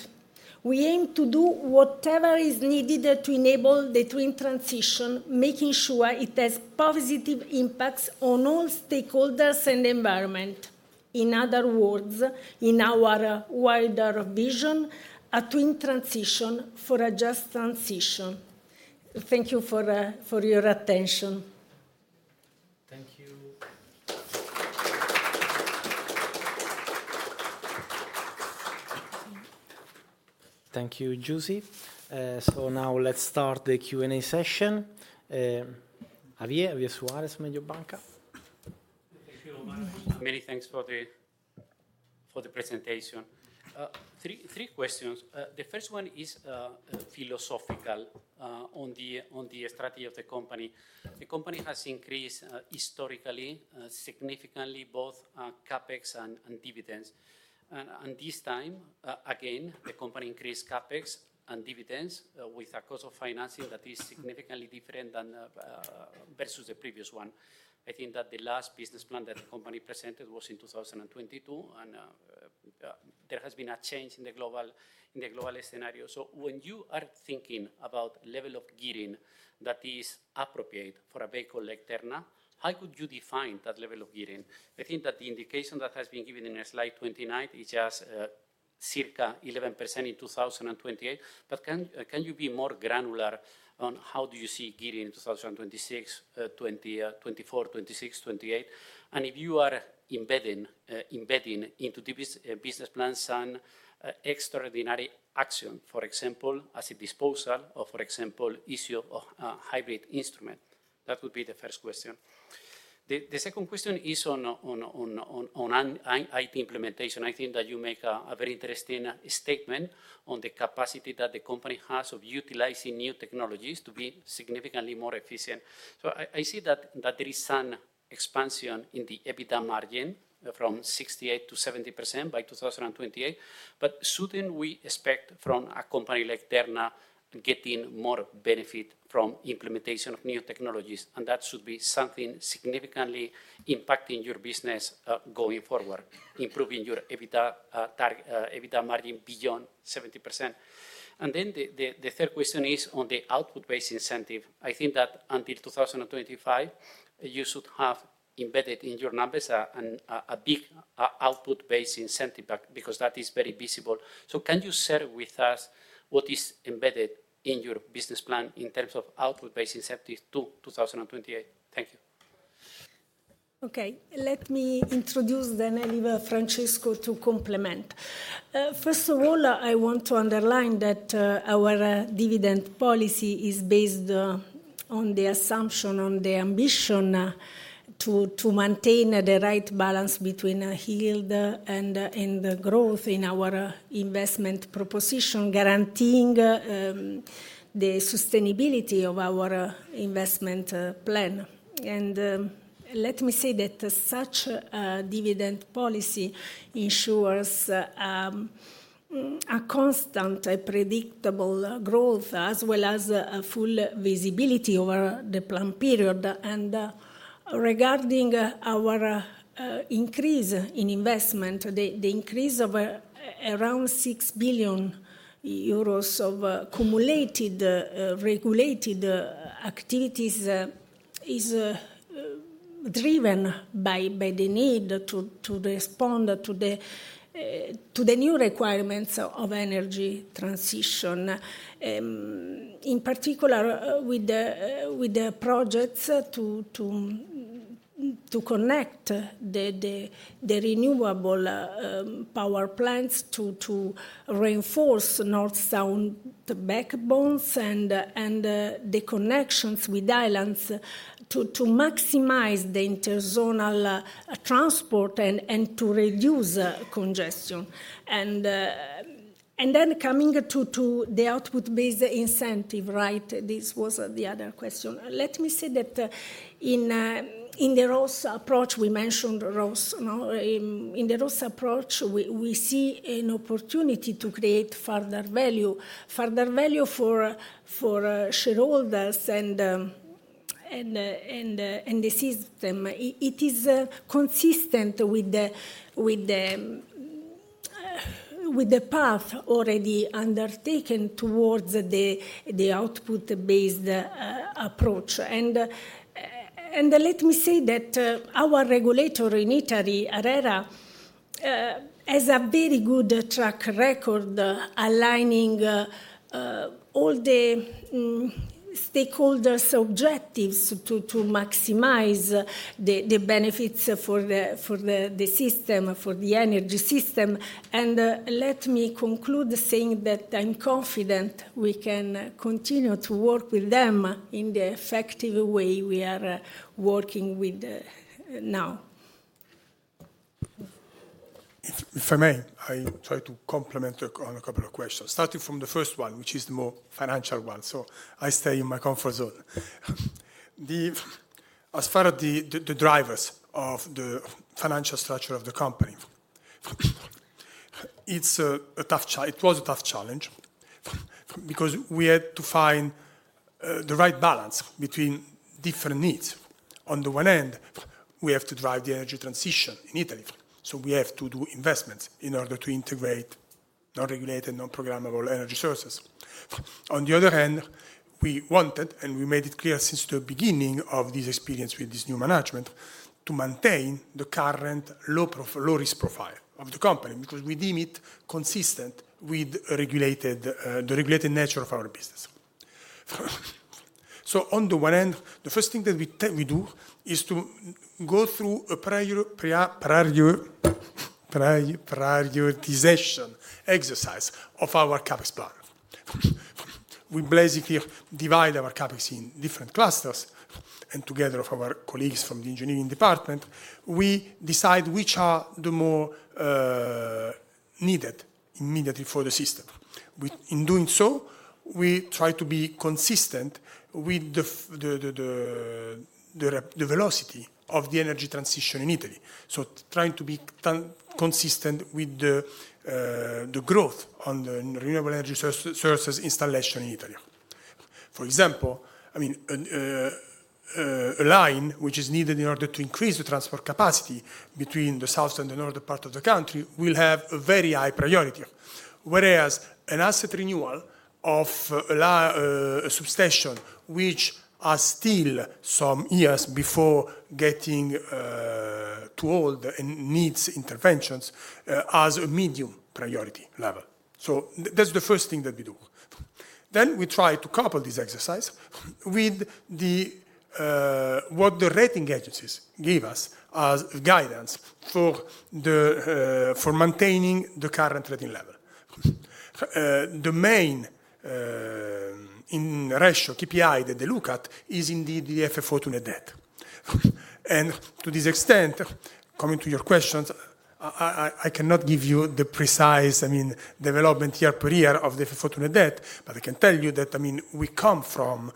we aim to do whatever is needed to enable the twin transition, making sure it has positive impacts on all stakeholders and the environment. In other words, in our wider vision, a twin transition for a just transition. Thank you for your attention. Thank you. Thank you, Giusy. So now let's start the Q&A session. Javier Suarez, Mediobanca. Thank you, Mario. Many thanks for the presentation. 3 questions. The first one is philosophical on the strategy of the company. The company has increased historically, significantly, both CapEx and dividends. And this time, again, the company increased CapEx and dividends with a cost of financing that is significantly different versus the previous one. I think that the last business plan that the company presented was in 2022, and there has been a change in the global scenario. So when you are thinking about the level of gearing that is appropriate for a vehicle like Terna, how could you define that level of gearing? I think that the indication that has been given in slide 29 is just circa 11% in 2028. But can you be more granular on how do you see gearing in 2026, 2024, 2026, 2028? And if you are embedding into the business plans some extraordinary action, for example, asset disposal or, for example, issue of a hybrid instrument, that would be the first question. The second question is on IT implementation. I think that you make a very interesting statement on the capacity that the company has of utilizing new technologies to be significantly more efficient. So I see that there is some expansion in the EBITDA margin from 68% to 70% by 2028. But soon we expect from a company like Terna getting more benefit from the implementation of new technologies, and that should be something significantly impacting your business going forward, improving your EBITDA margin beyond 70%. And then the third question is on the output-based incentive. I think that until 2025, you should have embedded in your numbers a big output-based incentive because that is very visible. So can you share with us what is embedded in your business plan in terms of output-based incentives to 2028? Thank you. Okay. Let me introduce then a little Francesco to complement. First of all, I want to underline that our dividend policy is based on the assumption, on the ambition to maintain the right balance between yield and growth in our investment proposition, guaranteeing the sustainability of our investment plan. Let me say that such a dividend policy ensures a constant, predictable growth, as well as full visibility over the plan period. Regarding our increase in investment, the increase of around 6 billion euros of cumulated regulated activities is driven by the need to respond to the new requirements of energy transition, in particular with projects to connect the renewable power plants to reinforce north-south backbones and the connections with islands to maximize the interzonal transport and to reduce congestion. Then coming to the output-based incentive, right? This was the other question. Let me say that in the ROS approach, we mentioned ROS. In the ROS approach, we see an opportunity to create further value, further value for shareholders and the system. It is consistent with the path already undertaken towards the output-based approach. And let me say that our regulator in Italy, ARERA, has a very good track record aligning all the stakeholders' objectives to maximize the benefits for the system, for the energy system. And let me conclude saying that I'm confident we can continue to work with them in the effective way we are working with now. For me, I try to complement on a couple of questions, starting from the first one, which is the more financial one. So I stay in my comfort zone. As far as the drivers of the financial structure of the company, it was a tough challenge because we had to find the right balance between different needs. On the one hand, we have to drive the energy transition in Italy. So we have to do investments in order to integrate non-regulated, non-programmable energy sources. On the other hand, we wanted, and we made it clear since the beginning of this experience with this new management, to maintain the current low-risk profile of the company because we deem it consistent with the regulated nature of our business. So on the one hand, the first thing that we do is to go through a prioritization exercise of our CapEx plan. We basically divide our CapEx in different clusters. And together with our colleagues from the engineering department, we decide which are the more needed immediately for the system. In doing so, we try to be consistent with the velocity of the energy transition in Italy, so trying to be consistent with the growth on the renewable energy sources installation in Italy. For example, I mean, a line which is needed in order to increase the transport capacity between the south and the northern part of the country will have a very high priority, whereas an asset renewal of a substation, which has still some years before getting too old and needs interventions, has a medium priority level. So that's the first thing that we do. Then we try to couple this exercise with what the rating agencies gave us as guidance for maintaining the current rating level. The main ratio, KPI, that they look at is indeed the FFO to net debt. And to this extent, coming to your questions, I cannot give you the precise, I mean, development year per year of the FFO to net debt. But I can tell you that, I mean, we come from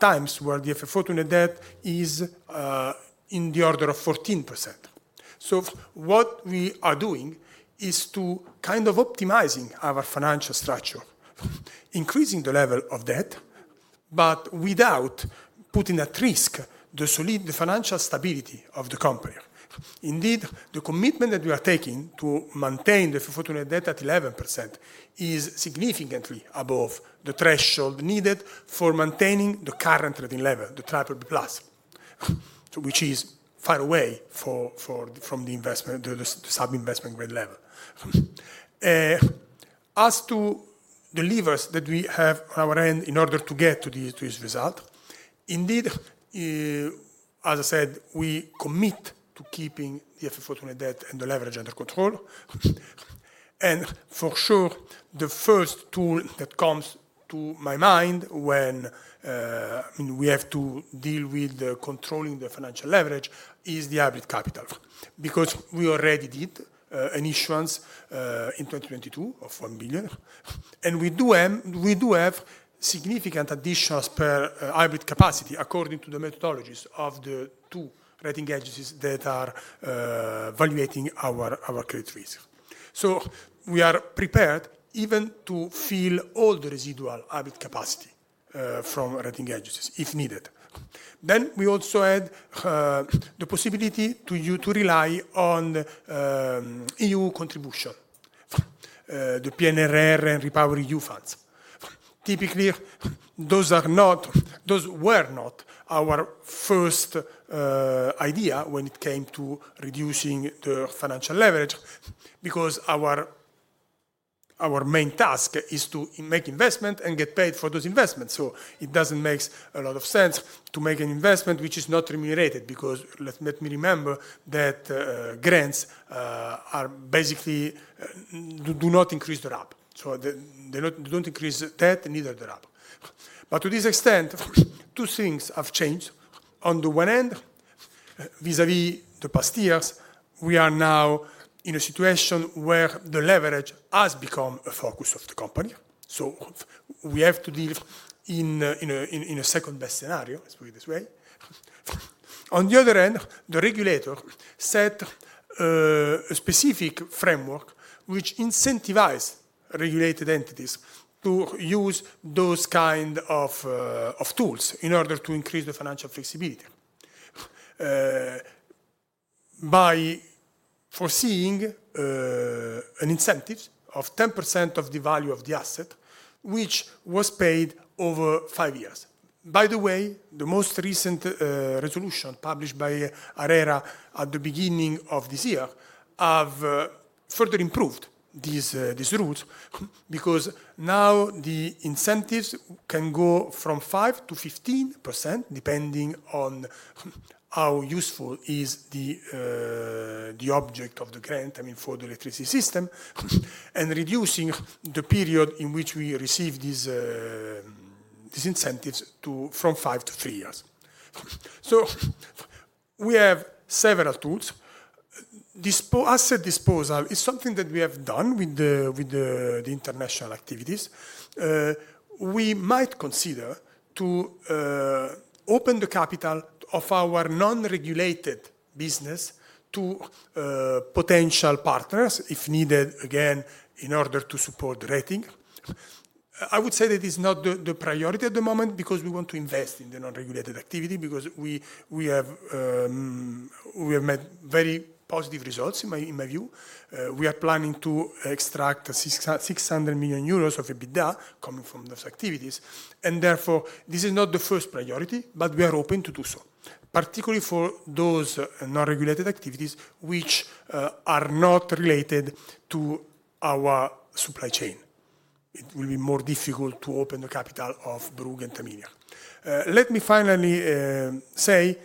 times where the FFO to net debt is in the order of 14%. So what we are doing is kind of optimizing our financial structure, increasing the level of debt, but without putting at risk the financial stability of the company. Indeed, the commitment that we are taking to maintain the FFO2 net debt at 11% is significantly above the threshold needed for maintaining the current rating level, the triple B plus, which is far away from the sub-investment grade level. As to the levers that we have on our end in order to get to this result, indeed, as I said, we commit to keeping the FFO2 net debt and the leverage under control. And for sure, the first tool that comes to my mind when we have to deal with controlling the financial leverage is the hybrid capital because we already did an issuance in 2022 of 1 billion. We do have significant additions to hybrid capital according to the methodologies of the two rating agencies that are evaluating our credit risk. We are prepared even to fill all the residual hybrid capital from rating agencies if needed. We also add the possibility to rely on EU contributions, the PNRR and REPowerEU funds. Typically, those were not our first idea when it came to reducing the financial leverage because our main task is to make investment and get paid for those investments. It doesn't make a lot of sense to make an investment which is not remunerated because let me remind that grants basically do not increase the RAB. They don't increase debt, neither the RAB. To this extent, two things have changed. On the one hand, vis-à-vis the past years, we are now in a situation where the leverage has become a focus of the company. So we have to deal in a second-best scenario, let's put it this way. On the other hand, the regulator set a specific framework which incentivized regulated entities to use those kinds of tools in order to increase the financial flexibility by foreseeing an incentive of 10% of the value of the asset, which was paid over five years. By the way, the most recent resolution published by ARERA at the beginning of this year has further improved these rules because now the incentives can go from 5% to 15% depending on how useful is the object of the grant, I mean, for the electricity system, and reducing the period in which we receive these incentives from five years to three years. So we have several tools. Asset disposal is something that we have done with the international activities. We might consider opening the capital of our non-regulated business to potential partners if needed, again, in order to support the rating. I would say that it's not the priority at the moment because we want to invest in the non-regulated activity because we have met very positive results, in my view. We are planning to extract 600 million euros of EBITDA coming from those activities. And therefore, this is not the first priority, but we are open to do so, particularly for those non-regulated activities which are not related to our supply chain. It will be more difficult to open the capital of Brugg and Tamini. Let me finally say,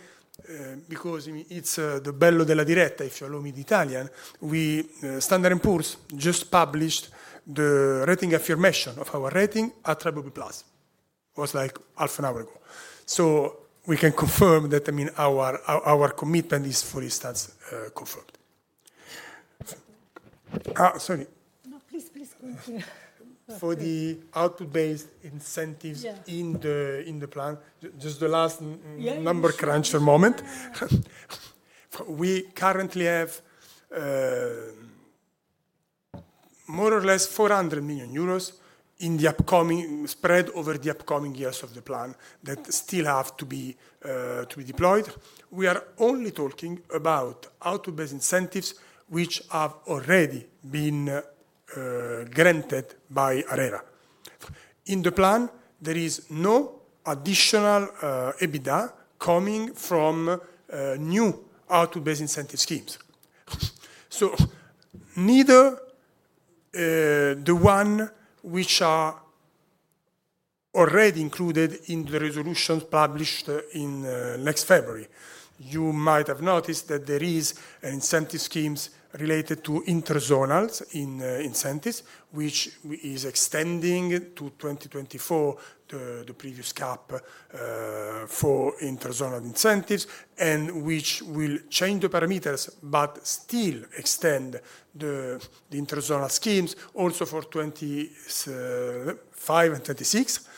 because it's the bello della diretta, if you allow me, the Italian, Standard & Poor's just published the rating affirmation of our rating at triple B plus. It was like half an hour ago. So we can confirm that, I mean, our commitment is, for instance, confirmed. Sorry. No, please, please continue. For the output-based incentives in the plan, just the last number cruncher moment. We currently have more or less 400 million euros in the spread over the upcoming years of the plan that still have to be deployed. We are only talking about output-based incentives which have already been granted by ARERA. In the plan, there is no additional EBITDA coming from new output-based incentive schemes. So neither the one which are already included in the resolution published next February. You might have noticed that there are incentive schemes related to interzonal incentives, which is extending to 2024, the previous cap for interzonal incentives, and which will change the parameters but still extend the interzonal schemes also for 2025 and 2026.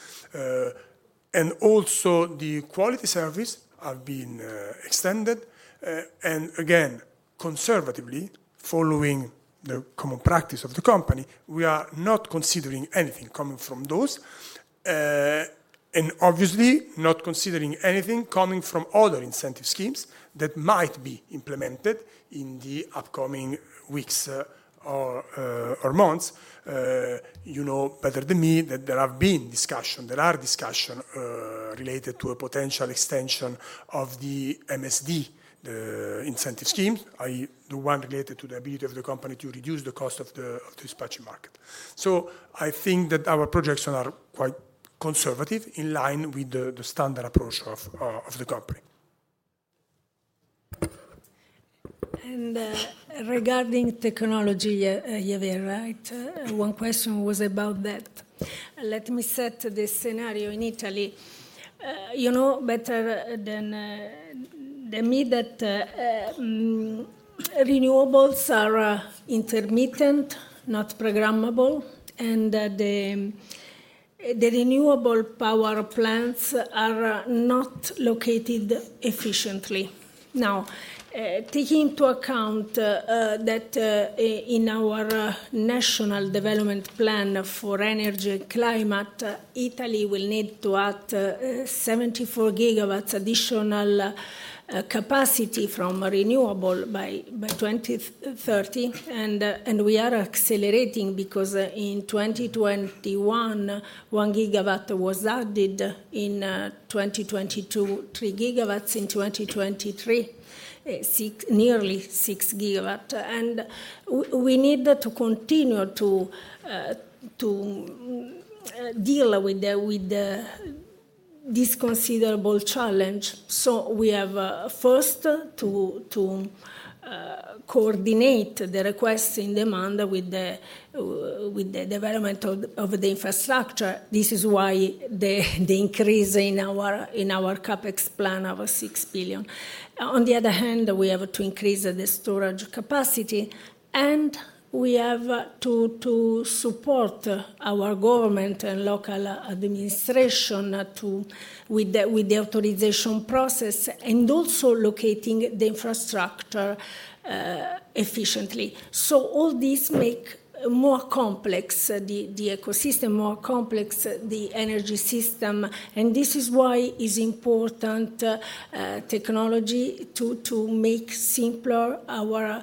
Also, the quality service has been extended. Again, conservatively, following the common practice of the company, we are not considering anything coming from those. Obviously, not considering anything coming from other incentive schemes that might be implemented in the upcoming weeks or months. You know better than me that there have been discussions. There are discussions related to a potential extension of the MSD, the incentive scheme, the one related to the ability of the company to reduce the cost of the dispatching market. So I think that our projections are quite conservative in line with the standard approach of the company. Regarding technology, Javier, right? One question was about that. Let me set the scenario in Italy. You know better than me that renewables are intermittent, not programmable, and the renewable power plants are not located efficiently. Now, taking into account that in our national development plan for energy and climate, Italy will need to add 74 GW additional capacity from renewable by 2030. We are accelerating because in 2021, 1 GW was added. In 2022, 3 GW. In 2023, nearly 6 GW. We need to continue to deal with this considerable challenge. We have first to coordinate the requests in demand with the development of the infrastructure. This is why the increase in our CapEx plan of 6 billion. On the other hand, we have to increase the storage capacity. We have to support our government and local administration with the authorization process and also locating the infrastructure efficiently. All these make the ecosystem more complex, the energy system. This is why it is important, technology, to make simpler our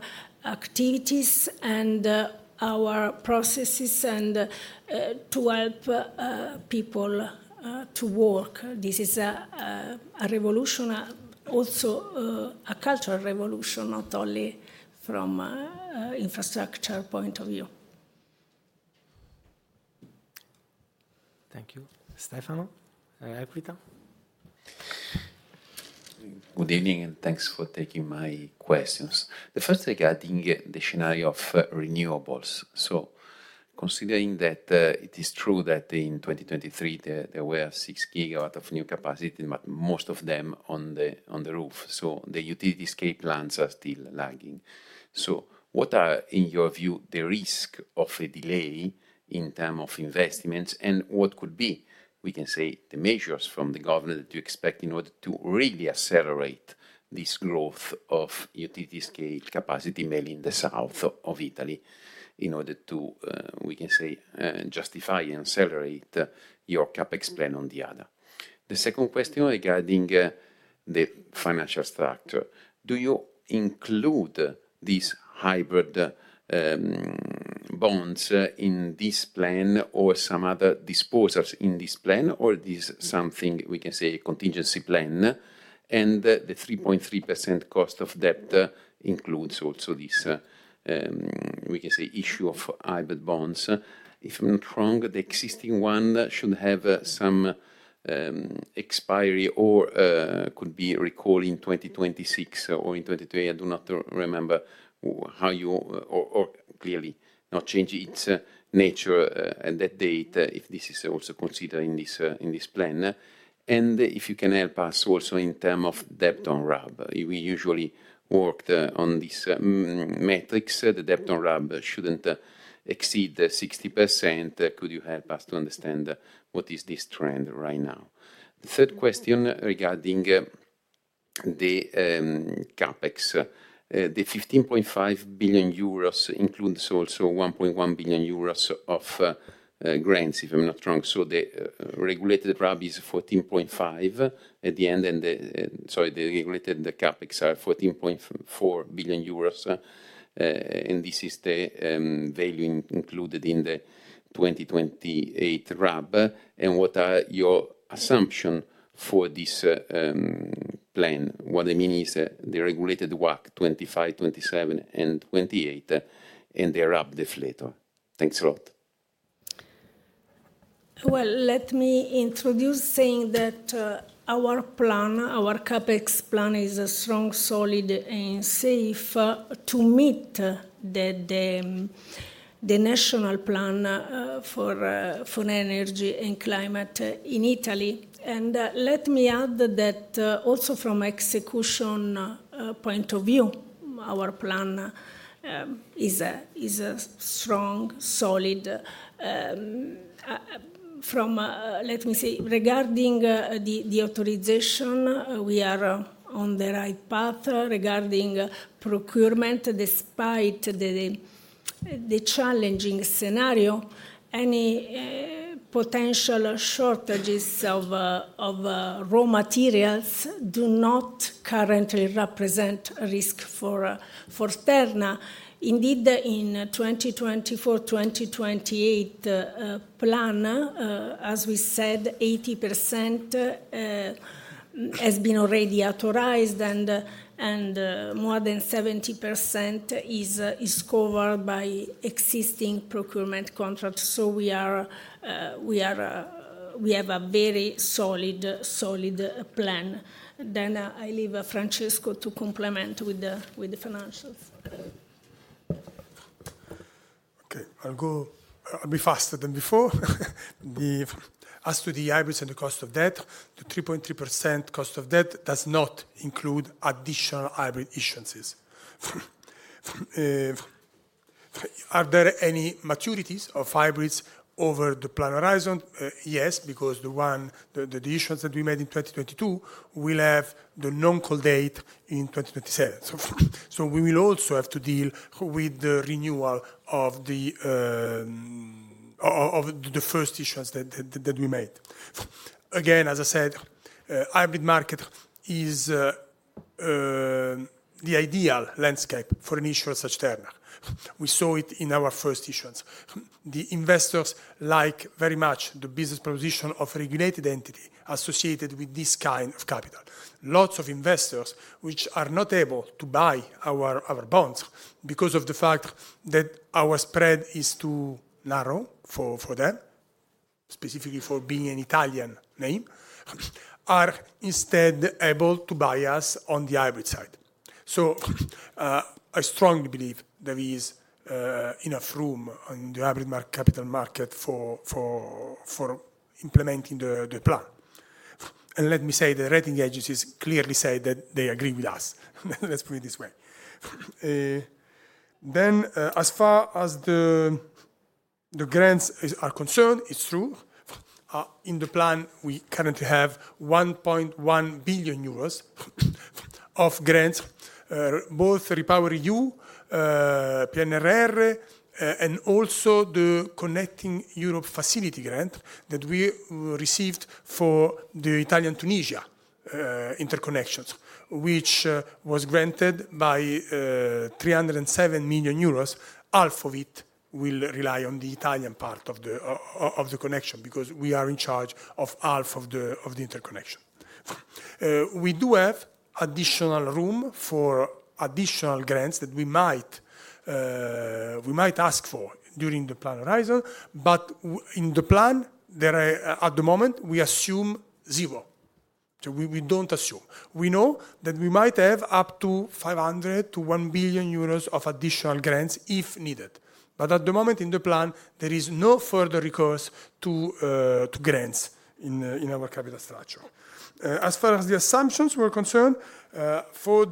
activities and our processes and to help people to work. This is a revolution, also a cultural revolution, not only from an infrastructure point of view. Thank you. Stefano, Equita? Good evening. And thanks for taking my questions. The first is regarding the scenario of renewables. So considering that it is true that in 2023, there were 6 GW of new capacity, but most of them on the roof. So the utility scale plans are still lagging. So what are, in your view, the risks of a delay in terms of investments? And what could be, we can say, the measures from the government that you expect in order to really accelerate this growth of utility scale capacity, mainly in the south of Italy, in order to, we can say, justify and accelerate your CapEx plan on the other? The second question regarding the financial structure. Do you include these hybrid bonds in this plan or some other disposals in this plan? Or is this something, we can say, a contingency plan? And the 3.3% cost of debt includes also this, we can say, issue of hybrid bonds. If I'm not wrong, the existing one should have some expiry or could be recalled in 2026 or in 2028. I do not remember how you or clearly not change its nature at that date if this is also considered in this plan. And if you can help us also in terms of debt on RAB. We usually worked on this metrics. The debt on RAB shouldn't exceed 60%. Could you help us to understand what is this trend right now? The third question regarding the CapEx. The 15.5 billion euros includes also 1.1 billion euros of grants, if I'm not wrong. The regulated RAB is 14.5 at the end. Sorry, the regulated capex are 14.4 billion euros. This is the value included in the 2028 RAB. What are your assumptions for this plan? What I mean is the regulated WACC 25, 27, and 28, and the RAB deflator. Thanks a lot. Well, let me introduce saying that our plan, our capex plan, is strong, solid, and safe to meet the national plan for energy and climate in Italy. Let me add that also from an execution point of view, our plan is strong, solid. Let me say, regarding the authorization, we are on the right path. Regarding procurement, despite the challenging scenario, any potential shortages of raw materials do not currently represent a risk for Terna. Indeed, in the 2024-2028 plan, as we said, 80% has been already authorized. More than 70% is covered by existing procurement contracts. So we have a very solid plan. Then I leave Francesco to complement with the financials. Okay. I'll go. I'll be faster than before. As to the hybrids and the cost of debt, the 3.3% cost of debt does not include additional hybrid issuances. Are there any maturities of hybrids over the plan horizon? Yes, because the issuance that we made in 2022 will have the non-call date in 2027. So we will also have to deal with the renewal of the first issuance that we made. Again, as I said, the hybrid market is the ideal landscape for an issuer such as Terna. We saw it in our first issuance. The investors like very much the business proposition of a regulated entity associated with this kind of capital. Lots of investors which are not able to buy our bonds because of the fact that our spread is too narrow for them, specifically for being an Italian name, are instead able to buy us on the hybrid side. So I strongly believe there is enough room in the hybrid capital market for implementing the plan. And let me say that rating agencies clearly say that they agree with us. Let's put it this way. Then as far as the grants are concerned, it's true, in the plan, we currently have 1.1 billion euros of grants, both REPowerEU, PNRR, and also the Connecting Europe Facility grant that we received for the Italian-Tunisia interconnections, which was granted by 307 million euros. Half of it will rely on the Italian part of the connection because we are in charge of half of the interconnection. We do have additional room for additional grants that we might ask for during the plan horizon. But in the plan, at the moment, we assume zero. So we don't assume. We know that we might have up to 500 million-1 billion euros of additional grants if needed. But at the moment, in the plan, there is no further recourse to grants in our capital structure. As far as the assumptions were concerned, for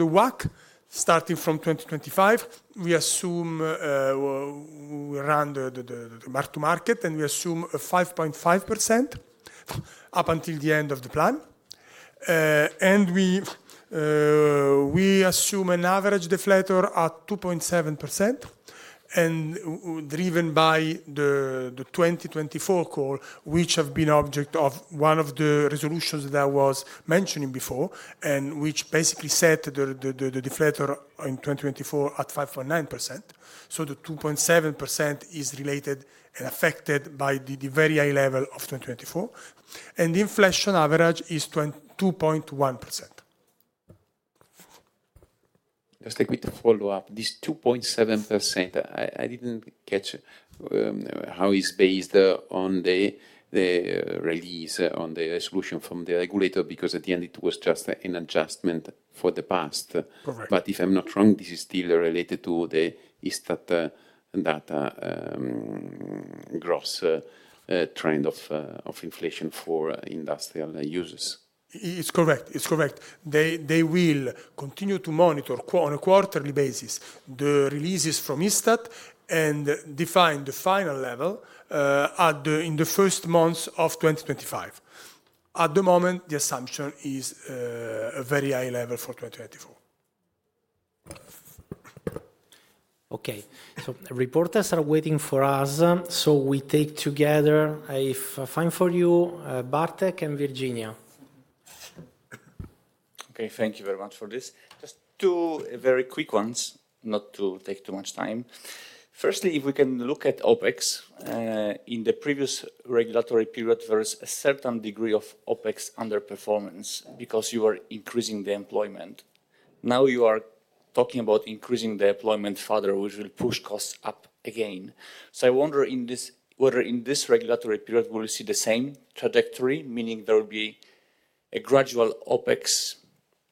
the WACC, starting from 2025, we run the mark-to-market. And we assume 5.5% up until the end of the plan. And we assume an average deflator at 2.7% and driven by the 2024 call, which has been the object of one of the resolutions that I was mentioning before and which basically set the deflator in 2024 at 5.9%. So the 2.7% is related and affected by the very high level of 2024. The inflation average is 2.1%. Just let me follow up. This 2.7%, I didn't catch how it's based on the release, on the resolution from the regulator because at the end, it was just an adjustment for the past. But if I'm not wrong, this is still related to the ISTAT data gross trend of inflation for industrial users. It's correct. It's correct. They will continue to monitor on a quarterly basis the releases from ISTAT and define the final level in the first months of 2025. At the moment, the assumption is a very high level for 2024. Okay. So reporters are waiting for us. So we take together, if fine for you, Bartek and Virginia. Okay. Thank you very much for this. Just two very quick ones, not to take too much time. Firstly, if we can look at OPEX. In the previous regulatory period, there was a certain degree of OpEx underperformance because you were increasing the employment. Now you are talking about increasing the employment further, which will push costs up again. So I wonder whether in this regulatory period, we will see the same trajectory, meaning there will be a gradual OpEx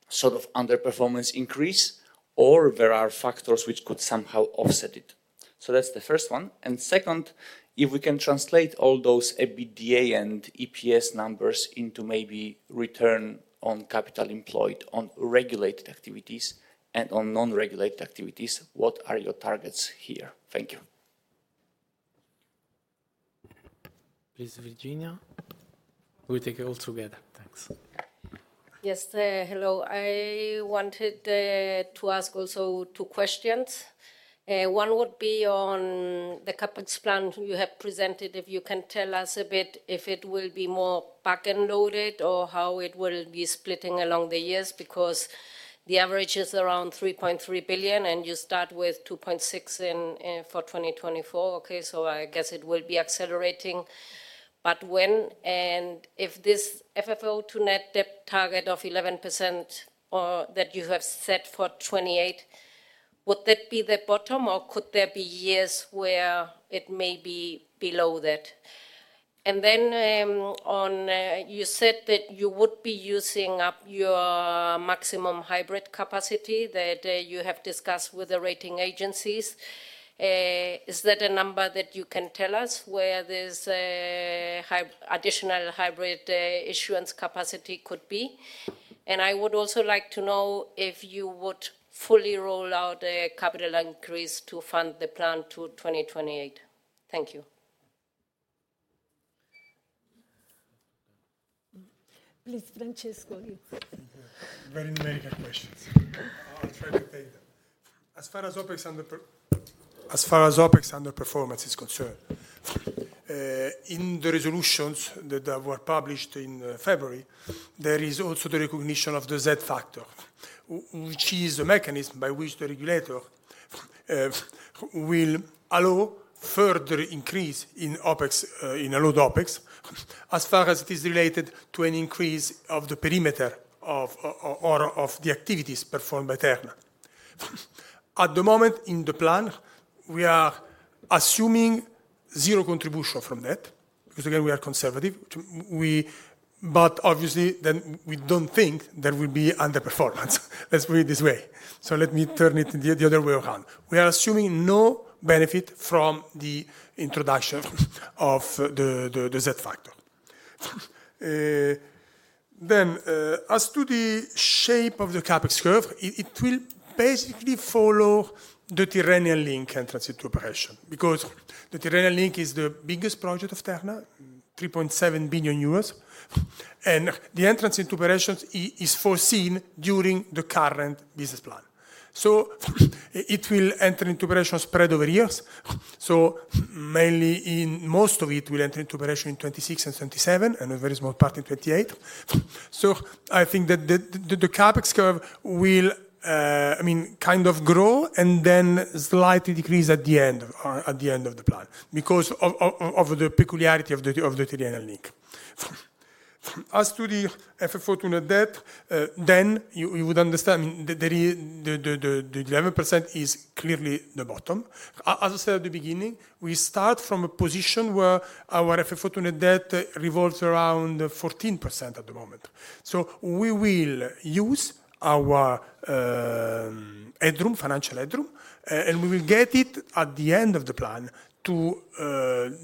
sort of underperformance increase, or there are factors which could somehow offset it. So that's the first one. And second, if we can translate all those EBITDA and EPS numbers into maybe return on capital employed on regulated activities and on non-regulated activities, what are your targets here? Thank you. Please, Virginia. We'll take it all together. Thanks. Yes. Hello. I wanted to ask also two questions. One would be on the CapEx plan you have presented. If you can tell us a bit if it will be more back-and-loaded or how it will be splitting along the years because the average is around 3.3 billion, and you start with 2.6 billion for 2024. Okay. So I guess it will be accelerating. But when and if this FFO to net debt target of 11% that you have set for 2028, would that be the bottom, or could there be years where it may be below that? And then you said that you would be using up your maximum hybrid capacity that you have discussed with the rating agencies. Is that a number that you can tell us where this additional hybrid issuance capacity could be? And I would also like to know if you would fully roll out a capital increase to fund the plan to 2028. Thank you. Please, Francesco, you. I'm ready to make a question. I'll try to take them. As far as OpEx underperformance is concerned, in the resolutions that were published in February, there is also the recognition of the Z Factor, which is a mechanism by which the regulator will allow further increase in allowed OpEx as far as it is related to an increase of the perimeter or of the activities performed by Terna. At the moment, in the plan, we are assuming zero contribution from debt because, again, we are conservative. But obviously, then we don't think there will be underperformance. Let's put it this way. So let me turn it the other way around. We are assuming no benefit from the introduction of the Z Factor. Then as to the shape of the CapEx curve, it will basically follow the Tyrrhenian Link entrance into operation because the Tyrrhenian Link is the biggest project of Terna, 3.7 billion euros. The entrance into operation is foreseen during the current business plan. So it will enter into operation spread over years. So mainly, most of it will enter into operation in 2026 and 2027 and a very small part in 2028. So I think that the CapEx curve will, I mean, kind of grow and then slightly decrease at the end of the plan because of the peculiarity of the Tyrrhenian Link. As to the FFO to Net Debt, then you would understand, I mean, the 11% is clearly the bottom. As I said at the beginning, we start from a position where our FFO to Net Debt revolves around 14% at the moment. So we will use our headroom, financial headroom. And we will get it at the end of the plan to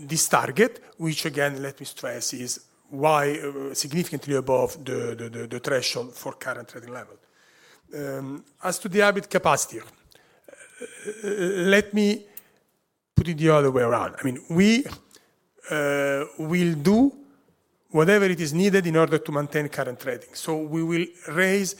this target, which, again, let me stress, is significantly above the threshold for current trading level. As to the hybrid capacity, let me put it the other way around. I mean, we will do whatever it is needed in order to maintain current rating. So we will raise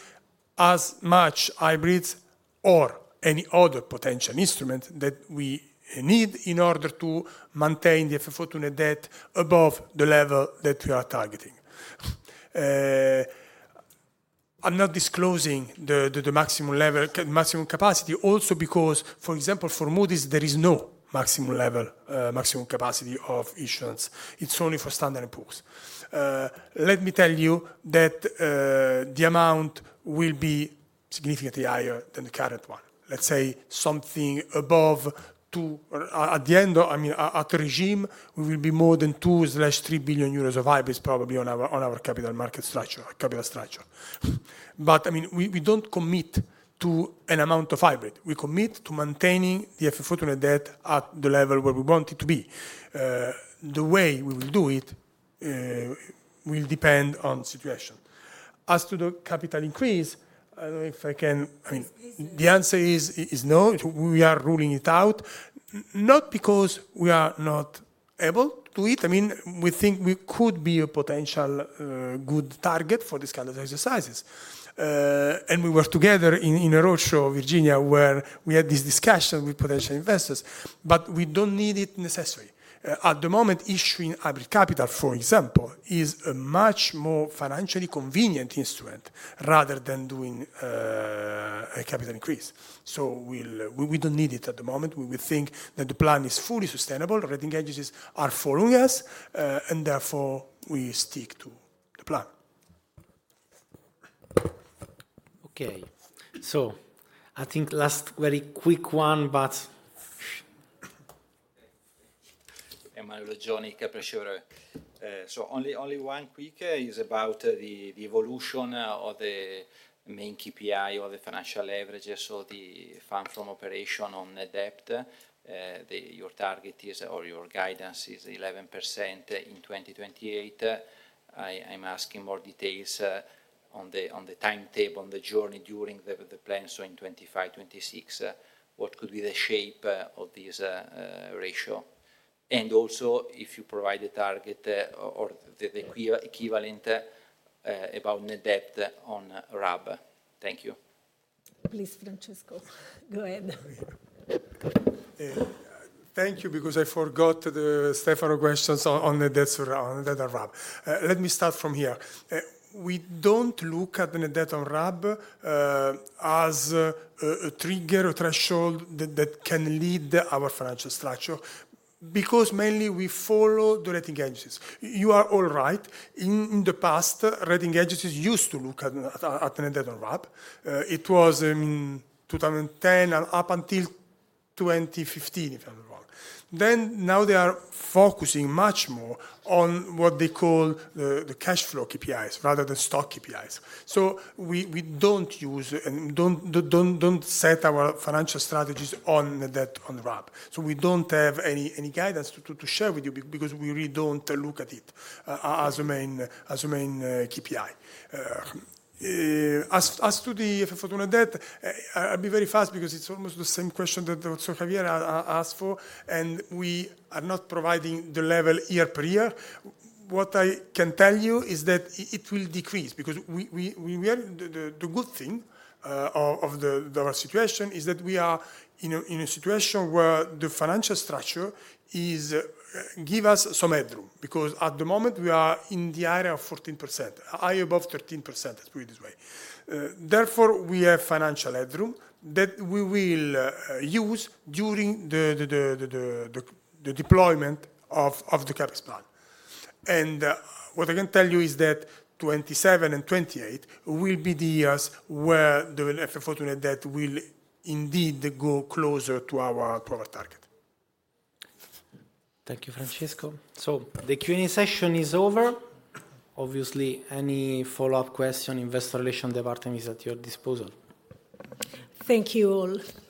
as much hybrids or any other potential instrument that we need in order to maintain the FFO to net debt above the level that we are targeting. I'm not disclosing the maximum level, the maximum capacity also because, for example, for Moody's, there is no maximum level, maximum capacity of issuance. It's only for Standard & Poor's. Let me tell you that the amount will be significantly higher than the current one. Let's say something above 2 at the end of I mean, at the regime, we will be more than 2/3 billion euros of hybrids probably on our capital market structure, our capital structure. But I mean, we don't commit to an amount of hybrid. We commit to maintaining the FFO to net debt at the level where we want it to be. The way we will do it will depend on the situation. As to the capital increase, I don't know if I can. I mean, the answer is no. We are ruling it out. Not because we are not able to do it. I mean, we think we could be a potential good target for these kinds of exercises. And we were together in a roadshow, Virginia, where we had this discussion with potential investors. But we don't need it necessarily. At the moment, issuing hybrid capital, for example, is a much more financially convenient instrument rather than doing a capital increase. So we don't need it at the moment. We think that the plan is fully sustainable. Rating agencies are following us. And therefore, we stick to the plan. Okay. So I think last very quick one, but. Emanuele Oggioni, Kepler Cheuvreux. So only one quick is about the evolution of the main KPI or the financial leverages. So the FFO to net debt, your target is or your guidance is 11% in 2028. I'm asking more details on the timetable, on the journey during the plan. So in 2025, 2026, what could be the shape of this ratio? And also, if you provide the target or the equivalent about net debt on RAB. Thank you. Please, Francesco. Go ahead. Thank you because I forgot the Stefano questions on net debt on RAB. Let me start from here. We don't look at the net debt on RAB as a trigger or threshold that can lead our financial structure because mainly, we follow the rating agencies. You are all right. In the past, rating agencies used to look at net debt on RAB. It was in 2010 and up until 2015, if I'm not wrong. Then now, they are focusing much more on what they call the cash flow KPIs rather than stock KPIs. So we don't use and don't set our financial strategies on net debt on RAB. So we don't have any guidance to share with you because we really don't look at it as a main KPI. As to the FFO to net debt, I'll be very fast because it's almost the same question that Javier asked for. We are not providing the level year per year. What I can tell you is that it will decrease because the good thing of our situation is that we are in a situation where the financial structure gives us some headroom because at the moment, we are in the area of 14%, higher above 13%. Let's put it this way. Therefore, we have financial headroom that we will use during the deployment of the CapEx plan. And what I can tell you is that 2027 and 2028 will be the years where the FFO to net debt will indeed go closer to our target. Thank you, Francesco. So the Q&A session is over. Obviously, any follow-up question, Investor Relations department is at your disposal. Thank you all.